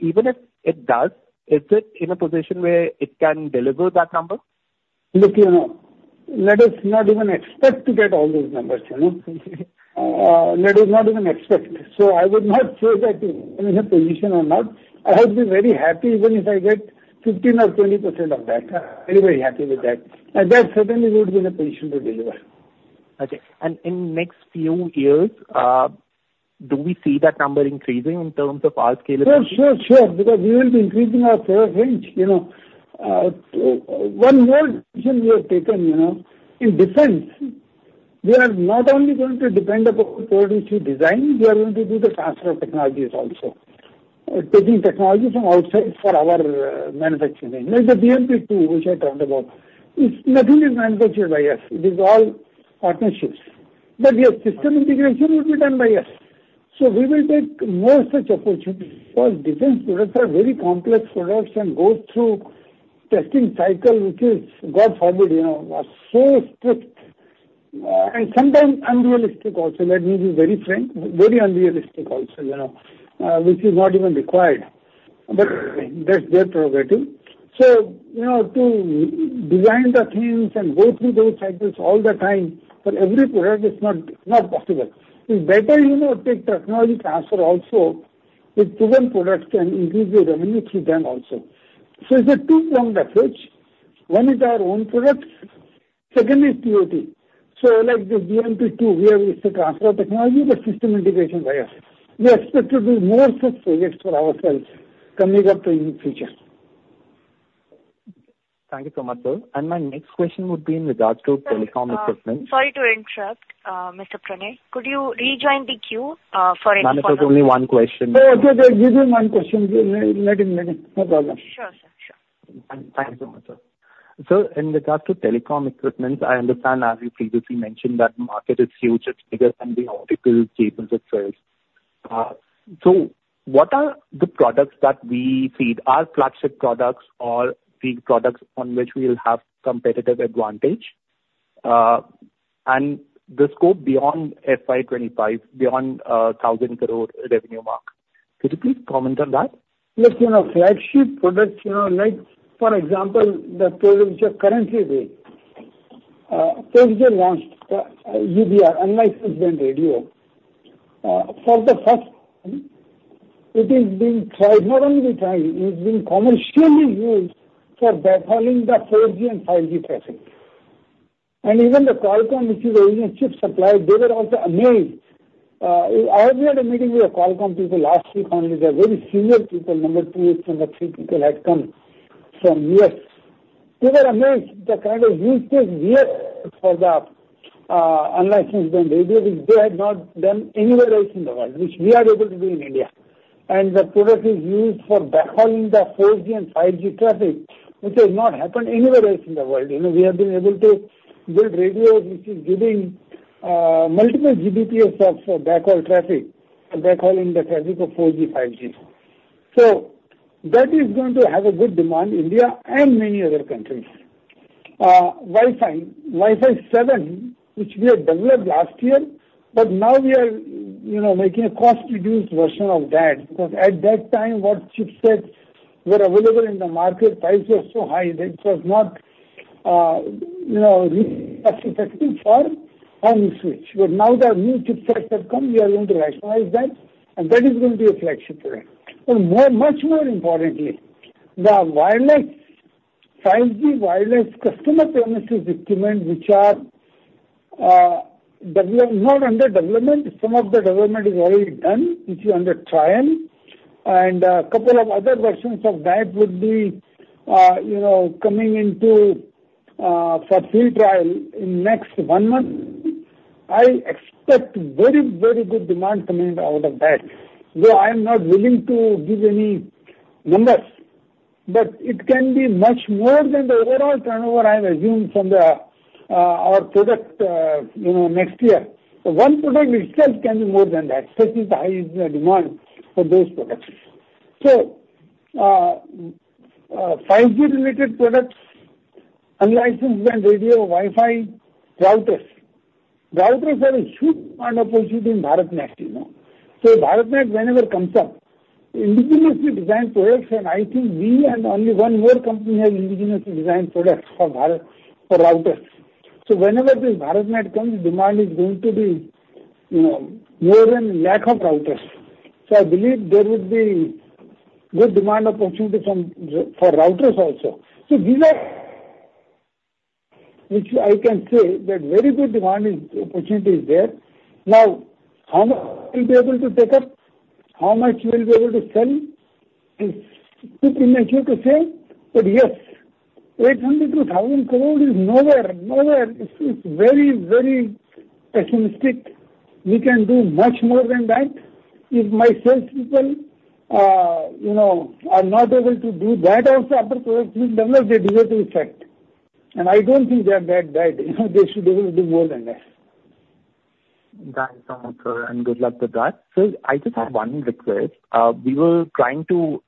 Even if it does, is it in a position where it can deliver that number? Look, you know, let us not even expect to get all those numbers, you know? Let us not even expect. I would not say that we're in a position or not. I would be very happy even if I get 15% or 20% of that. Very, very happy with that, and that certainly would be in a position to deliver. Okay. In next few years, do we see that number increasing in terms of our scalability? Sure, sure, sure, because we will be increasing our product range, you know. One more decision we have taken, you know, in defense, we are not only going to depend upon product we design, we are going to do the transfer of technologies also. Taking technology from outside for our manufacturing. Like the BMP-2, which I talked about, nothing is manufactured by us, it is all partnerships. Their system integration will be done by us. We will take more such opportunities because defense products are very complex products and go through testing cycle, which is, God forbid, you know, so strict and sometimes unrealistic also. Let me be very frank, very unrealistic also, you know, which is not even required. That's their prerogative. You know, to design the things and go through those cycles all the time for every product is not possible. It's better, you know, take technology transfer also, with proven products can increase the revenue through them also. It's a two-pronged approach. One is our own products, second is TOT. Like the BMP-2, where it's a transfer of technology, but system integration by us. We expect to do more such projects for ourselves coming up in the future. Thank you so much, sir. My next question would be in regards to telecom equipment. Sorry to interrupt, Mr. Pranay. Could you rejoin the queue for any follow-up? I have only one question. Oh, okay, give him one question. Let him, let him. No problem. Sure, sir. Sure. Thank you so much, sir. Sir, in regards to telecom equipment, I understand as you previously mentioned, that the market is huge, it's bigger than the optical cables itself. What are the products that we feed, our flagship products or feed products on which we will have competitive advantage and the scope beyond FY 2025, beyond 1,000 crore revenue mark? Could you please comment on that? Look, you know, flagship products, you know, like for example, the product which are currently there, Telia launched UBR, Unlicensed Band Radio. For the first time, it is being tried, not only being tried, it is being commercially used for backhauling the 4G and 5G traffic. Even the Qualcomm, which is a chip supplier, they were also amazed. We had a meeting with the Qualcomm people last week only. They are very senior people, number two or number three people had come from U.S. They were amazed the kind of usage here for the Unlicensed Band Radio, which they had not done anywhere else in the world, which we are able to do in India. The product is used for backhauling the 4G and 5G traffic, which has not happened anywhere else in the world. You know, we have been able to build radios, which is giving multiple Gbps of backhaul traffic, backhauling the traffic of 4G, 5G. That is going to have a good demand, India and many other countries. Wi-Fi, Wi-Fi 7, which we had developed last year, but now we are, you know, making a cost-reduced version of that, because at that time, what chipsets were available in the market, prices were so high that it was not, you know, cost-effective for home switch. Now that new chipsets have come, we are going to rationalize that, and that is going to be a flagship product. More, much more importantly, the wireless- 5G wireless customer premises equipment, which are develop, not under development, some of the development is already done, which is under trial, and a couple of other versions of that would be, you know, coming into for field trial in next one month. I expect very, very good demand coming out of that, though I'm not willing to give any numbers, but it can be much more than the overall turnover I've assumed from the our product, you know, next year. One product itself can be more than that. Such is the high demand for those products. 5G-related products, unlicensed radio, Wi-Fi, routers. Routers are a huge opportunity in BharatNet, you know? BharatNet, whenever comes up, indigenously designed products, and I think we and only one more company have indigenously designed products for Bharat, for routers. Whenever this BharatNet comes, demand is going to be, you know, more than 100,000 routers. I believe there would be good demand opportunity for routers also. These are, which I can say that very good demand is, opportunity is there. Now, how much we'll be able to take up, how much we will be able to sell is bit immature to say, but yes, INR 800 crore-INR 1,000 crore is nowhere, nowhere, it's very, very pessimistic. We can do much more than that. If my sales people, you know, are not able to do that also, after they deserve to be sacked, and I don't think they are that bad, you know, they should able to do more than that. Got it, sir, and good luck with that. Sir, I just have one request. We were trying to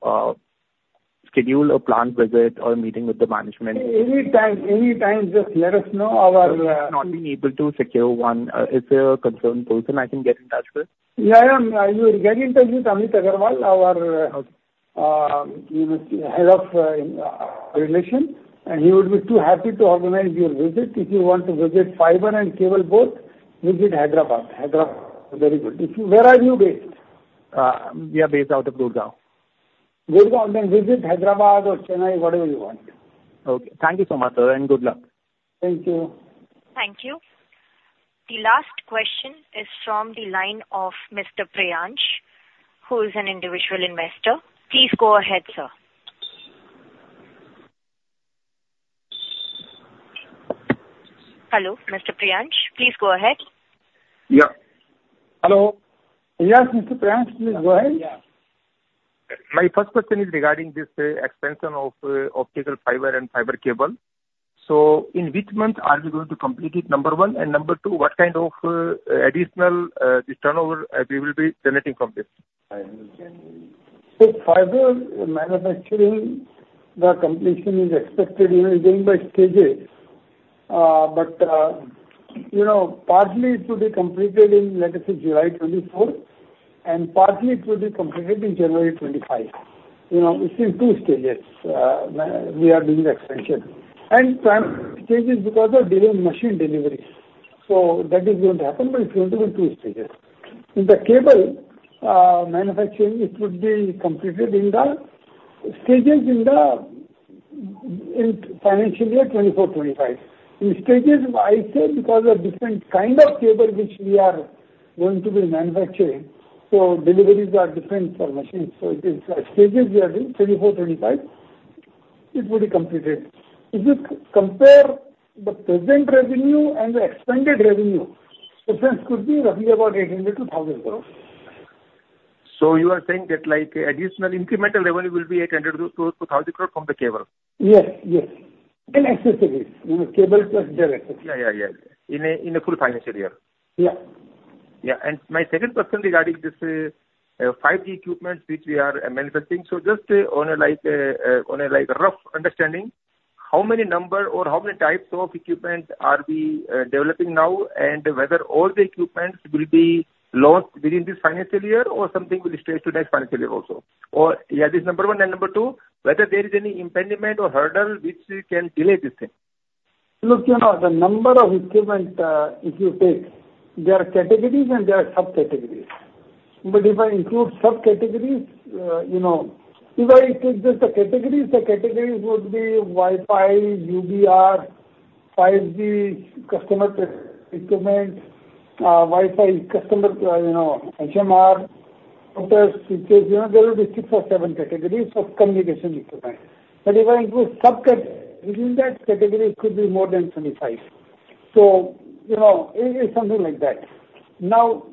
schedule a plant visit or a meeting with the management. Anytime, anytime, just let us know our. We've not been able to secure one. Is there a concerned person I can get in touch with? Yeah, you will get in touch with Amit Agarwal, our, you know, Head of Relation, and he would be too happy to organize your visit. If you want to visit fiber and cable both, visit Hyderabad. Hyderabad, very good. Where are you based? We are based out of Gurgaon. Gurgaon, then visit Hyderabad or Chennai, whatever you want. Okay. Thank you so much, sir, and good luck. Thank you. Thank you. The last question is from the line of Mr. Priyansh, who is an individual investor. Please go ahead, sir. Hello, Mr. Priyansh, please go ahead. Yeah. Hello. Yes, Mr. Priyansh, please go ahead. Yeah. My first question is regarding this expansion of optical fiber and fiber cable. In which month are we going to complete it, number one, and number two, what kind of additional this turnover we will be generating from this? Fiber manufacturing, the completion is expected, you know, going by stages, but, you know, partly it will be completed in, let us say, July 2024, and partly it will be completed in January 2025. You know, it's in two stages, we are doing expansion. Time stages because of different machine deliveries, so that is going to happen, but it's going to be in two stages. In the cable manufacturing, it would be completed in the stages in the, in financial year 2024-2025. In stages, I say, because of different kind of cable which we are going to be manufacturing, so deliveries are different for machines. It is stages we are doing, 2024-2025, it will be completed. If you compare the present revenue and the expanded revenue, the difference could be roughly about INR 800 crore-INR 1,000 crore. You are saying that, like, additional incremental revenue will be 800 crore-1,000 crore from the cable? Yes, yes. Accessories. You know, cable plus accessories. Yeah, yeah, yeah. In a full financial year? Yeah. Yeah. My second question regarding this 5G equipments which we are manufacturing. Just on a, like, on a, like, rough understanding, how many number or how many types of equipments are we developing now, and whether all the equipments will be launched within this financial year or something will stretch to next financial year also? Yeah, this is number one, and number two, whether there is any impediment or hurdle which can delay this thing? Look, you know, the number of equipment, if you take, there are categories and there are sub-categories. If I include sub-categories, you know, if I take just the categories, the categories would be Wi-Fi, UBR, 5G, customer equipment, Wi-Fi customer, you know, HMR, because, you know, there will be six or seven categories of communication equipment. If I include sub-cat, within that category, it could be more than 25. You know, it is something like that. Now,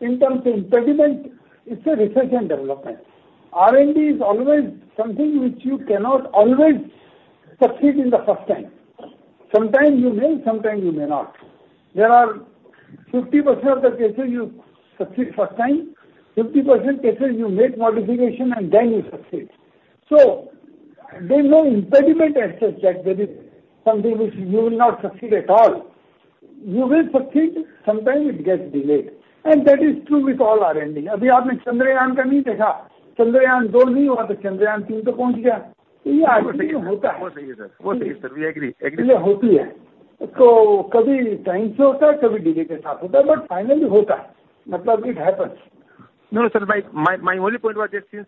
in terms of impediment, it's a research and development. R&D is always something which you cannot always succeed in the first time. Sometimes you will, sometimes you may not. There are 50% of the cases you succeed first time, 50% cases you make modification and then you succeed. There's no impediment as such that there is something which you will not succeed at all. You will succeed. Sometimes it gets delayed, and that is true with all R&D. We agree. Agree. It happens. It could be time, could be delay, but finally it happens. That's how it happens. No, sir, my only point was that since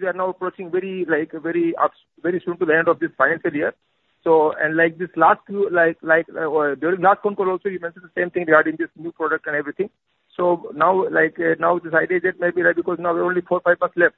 we are now approaching very, like, very soon to the end of this financial year. Like this last few, like, during last control also, you mentioned the same thing regarding this new product and everything. Now, like, this idea is maybe like, because now we only four, five months left.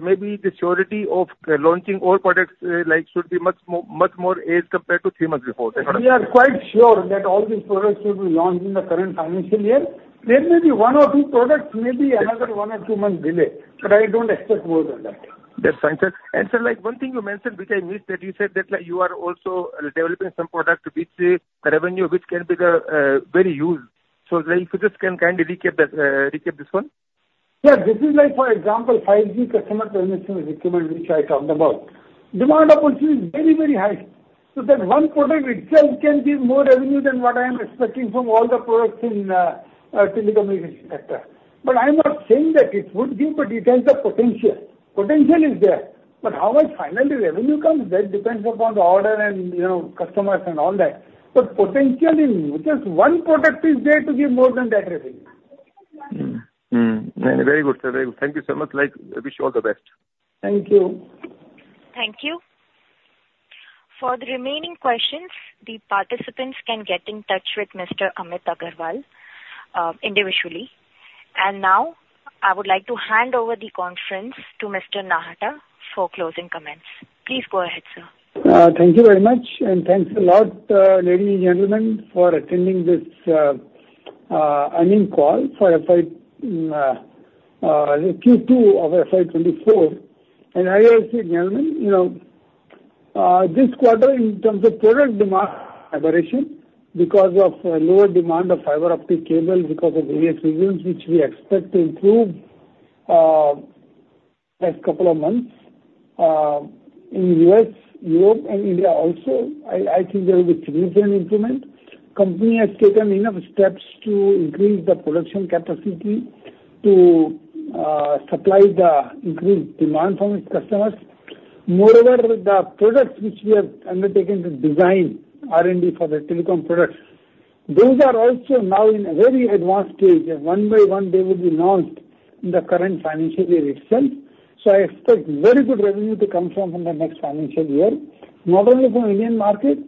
Maybe the surety of launching all products, like, should be much more as compared to three months before. We are quite sure that all these products will be launched in the current financial year. There may be one or two products, may be another one or two months delay, but I don't expect more than that. That's fine, sir. Sir, like, one thing you mentioned, which I missed, that you said that, like, you are also developing some product which the revenue, which can be very huge. If you just can kindly recap that, recap this one? Yeah, this is like for example, five new customer premises equipment, which I talked about. Demand opportunity is very, very high, so that one product itself can give more revenue than what I am expecting from all the products in telecommunication sector. I'm not saying that it would give, but it has the potential. Potential is there, but how much finally revenue comes, that depends upon the order and, you know, customers and all that. Potentially, just one product is there to give more than that revenue. Very good, sir. Very good. Thank you so much. Like, I wish you all the best. Thank you. Thank you. For the remaining questions, the participants can get in touch with Mr. Amit Agarwal individually. Now, I would like to hand over the conference to Mr. Nahata for closing comments. Please go ahead, sir. Thank you very much, and thanks a lot, ladies and gentlemen, for attending this earnings call for Q2 of FY 2024. As I said, gentlemen, you know, this quarter in terms of product demand aberration, because of lower demand of fiber optic cable, because of various reasons, which we expect to improve next couple of months. In U.S., Europe and India also, I think there will be significant improvement. Company has taken enough steps to increase the production capacity to supply the increased demand from its customers. Moreover, the products which we have undertaken to design R&D for the telecom products, those are also now in a very advanced stage, and one by one they will be launched in the current financial year itself. I expect very good revenue to come from the next financial year, not only from Indian market,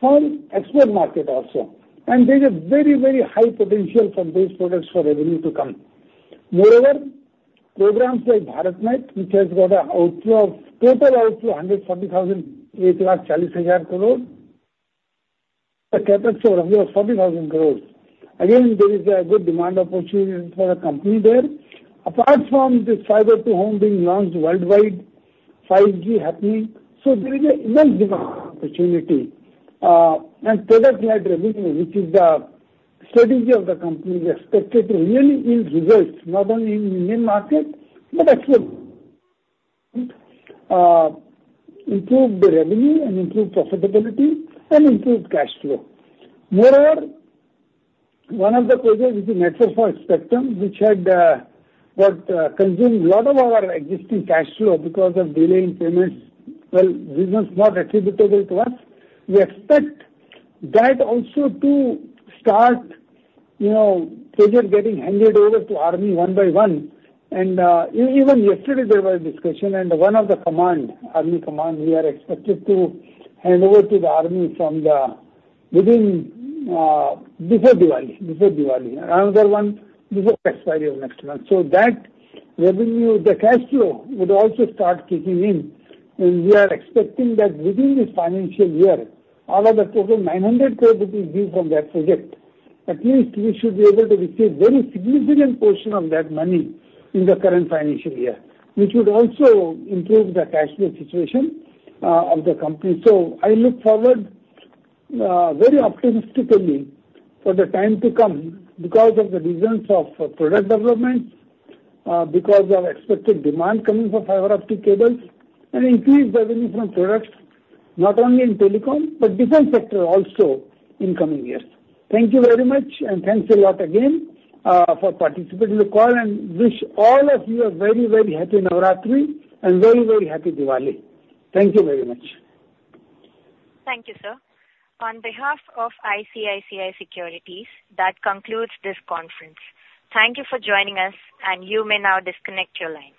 from export market also. There is a very, very high potential for those products for revenue to come. Moreover, programs like BharatNet, which has got a outflow of, total outflow of 140,000, INR 840,000 crore, the CapEx of around 40,000 crore. Again, there is a good demand opportunity for the company there. Apart from this fiber to home being launched worldwide, 5G happening, so there is an immense demand opportunity. Product-led revenue, which is the strategy of the company, is expected to really yield results not only in Indian market, but actually improve the revenue and improve profitability and improve cash flow. Moreover, one of the projects, which is Network for Spectrum, which had consumed a lot of our existing cash flow because of delay in payments, well, business not attributable to us. We expect that also to start, you know, project getting handed over to army one by one. Even yesterday there was a discussion and one of the command, army command, we are expected to hand over to the army from the within before Diwali, before Diwali, and another one before expiry of next month. That revenue, the cash flow, would also start kicking in, and we are expecting that within this financial year, out of the total 900 crore rupees due from that project, at least we should be able to receive very significant portion of that money in the current financial year, which would also improve the cash flow situation of the company. I look forward very optimistically for the time to come because of the reasons of product development, because of expected demand coming from fiber optic cables, and increased revenue from products not only in telecom but different sector also in coming years. Thank you very much, and thanks a lot again for participating in the call, and wish all of you a very, very happy Navratri and very, very happy Diwali. Thank you very much. Thank you, sir. On behalf of ICICI Securities, that concludes this conference. Thank you for joining us, and you may now disconnect your lines.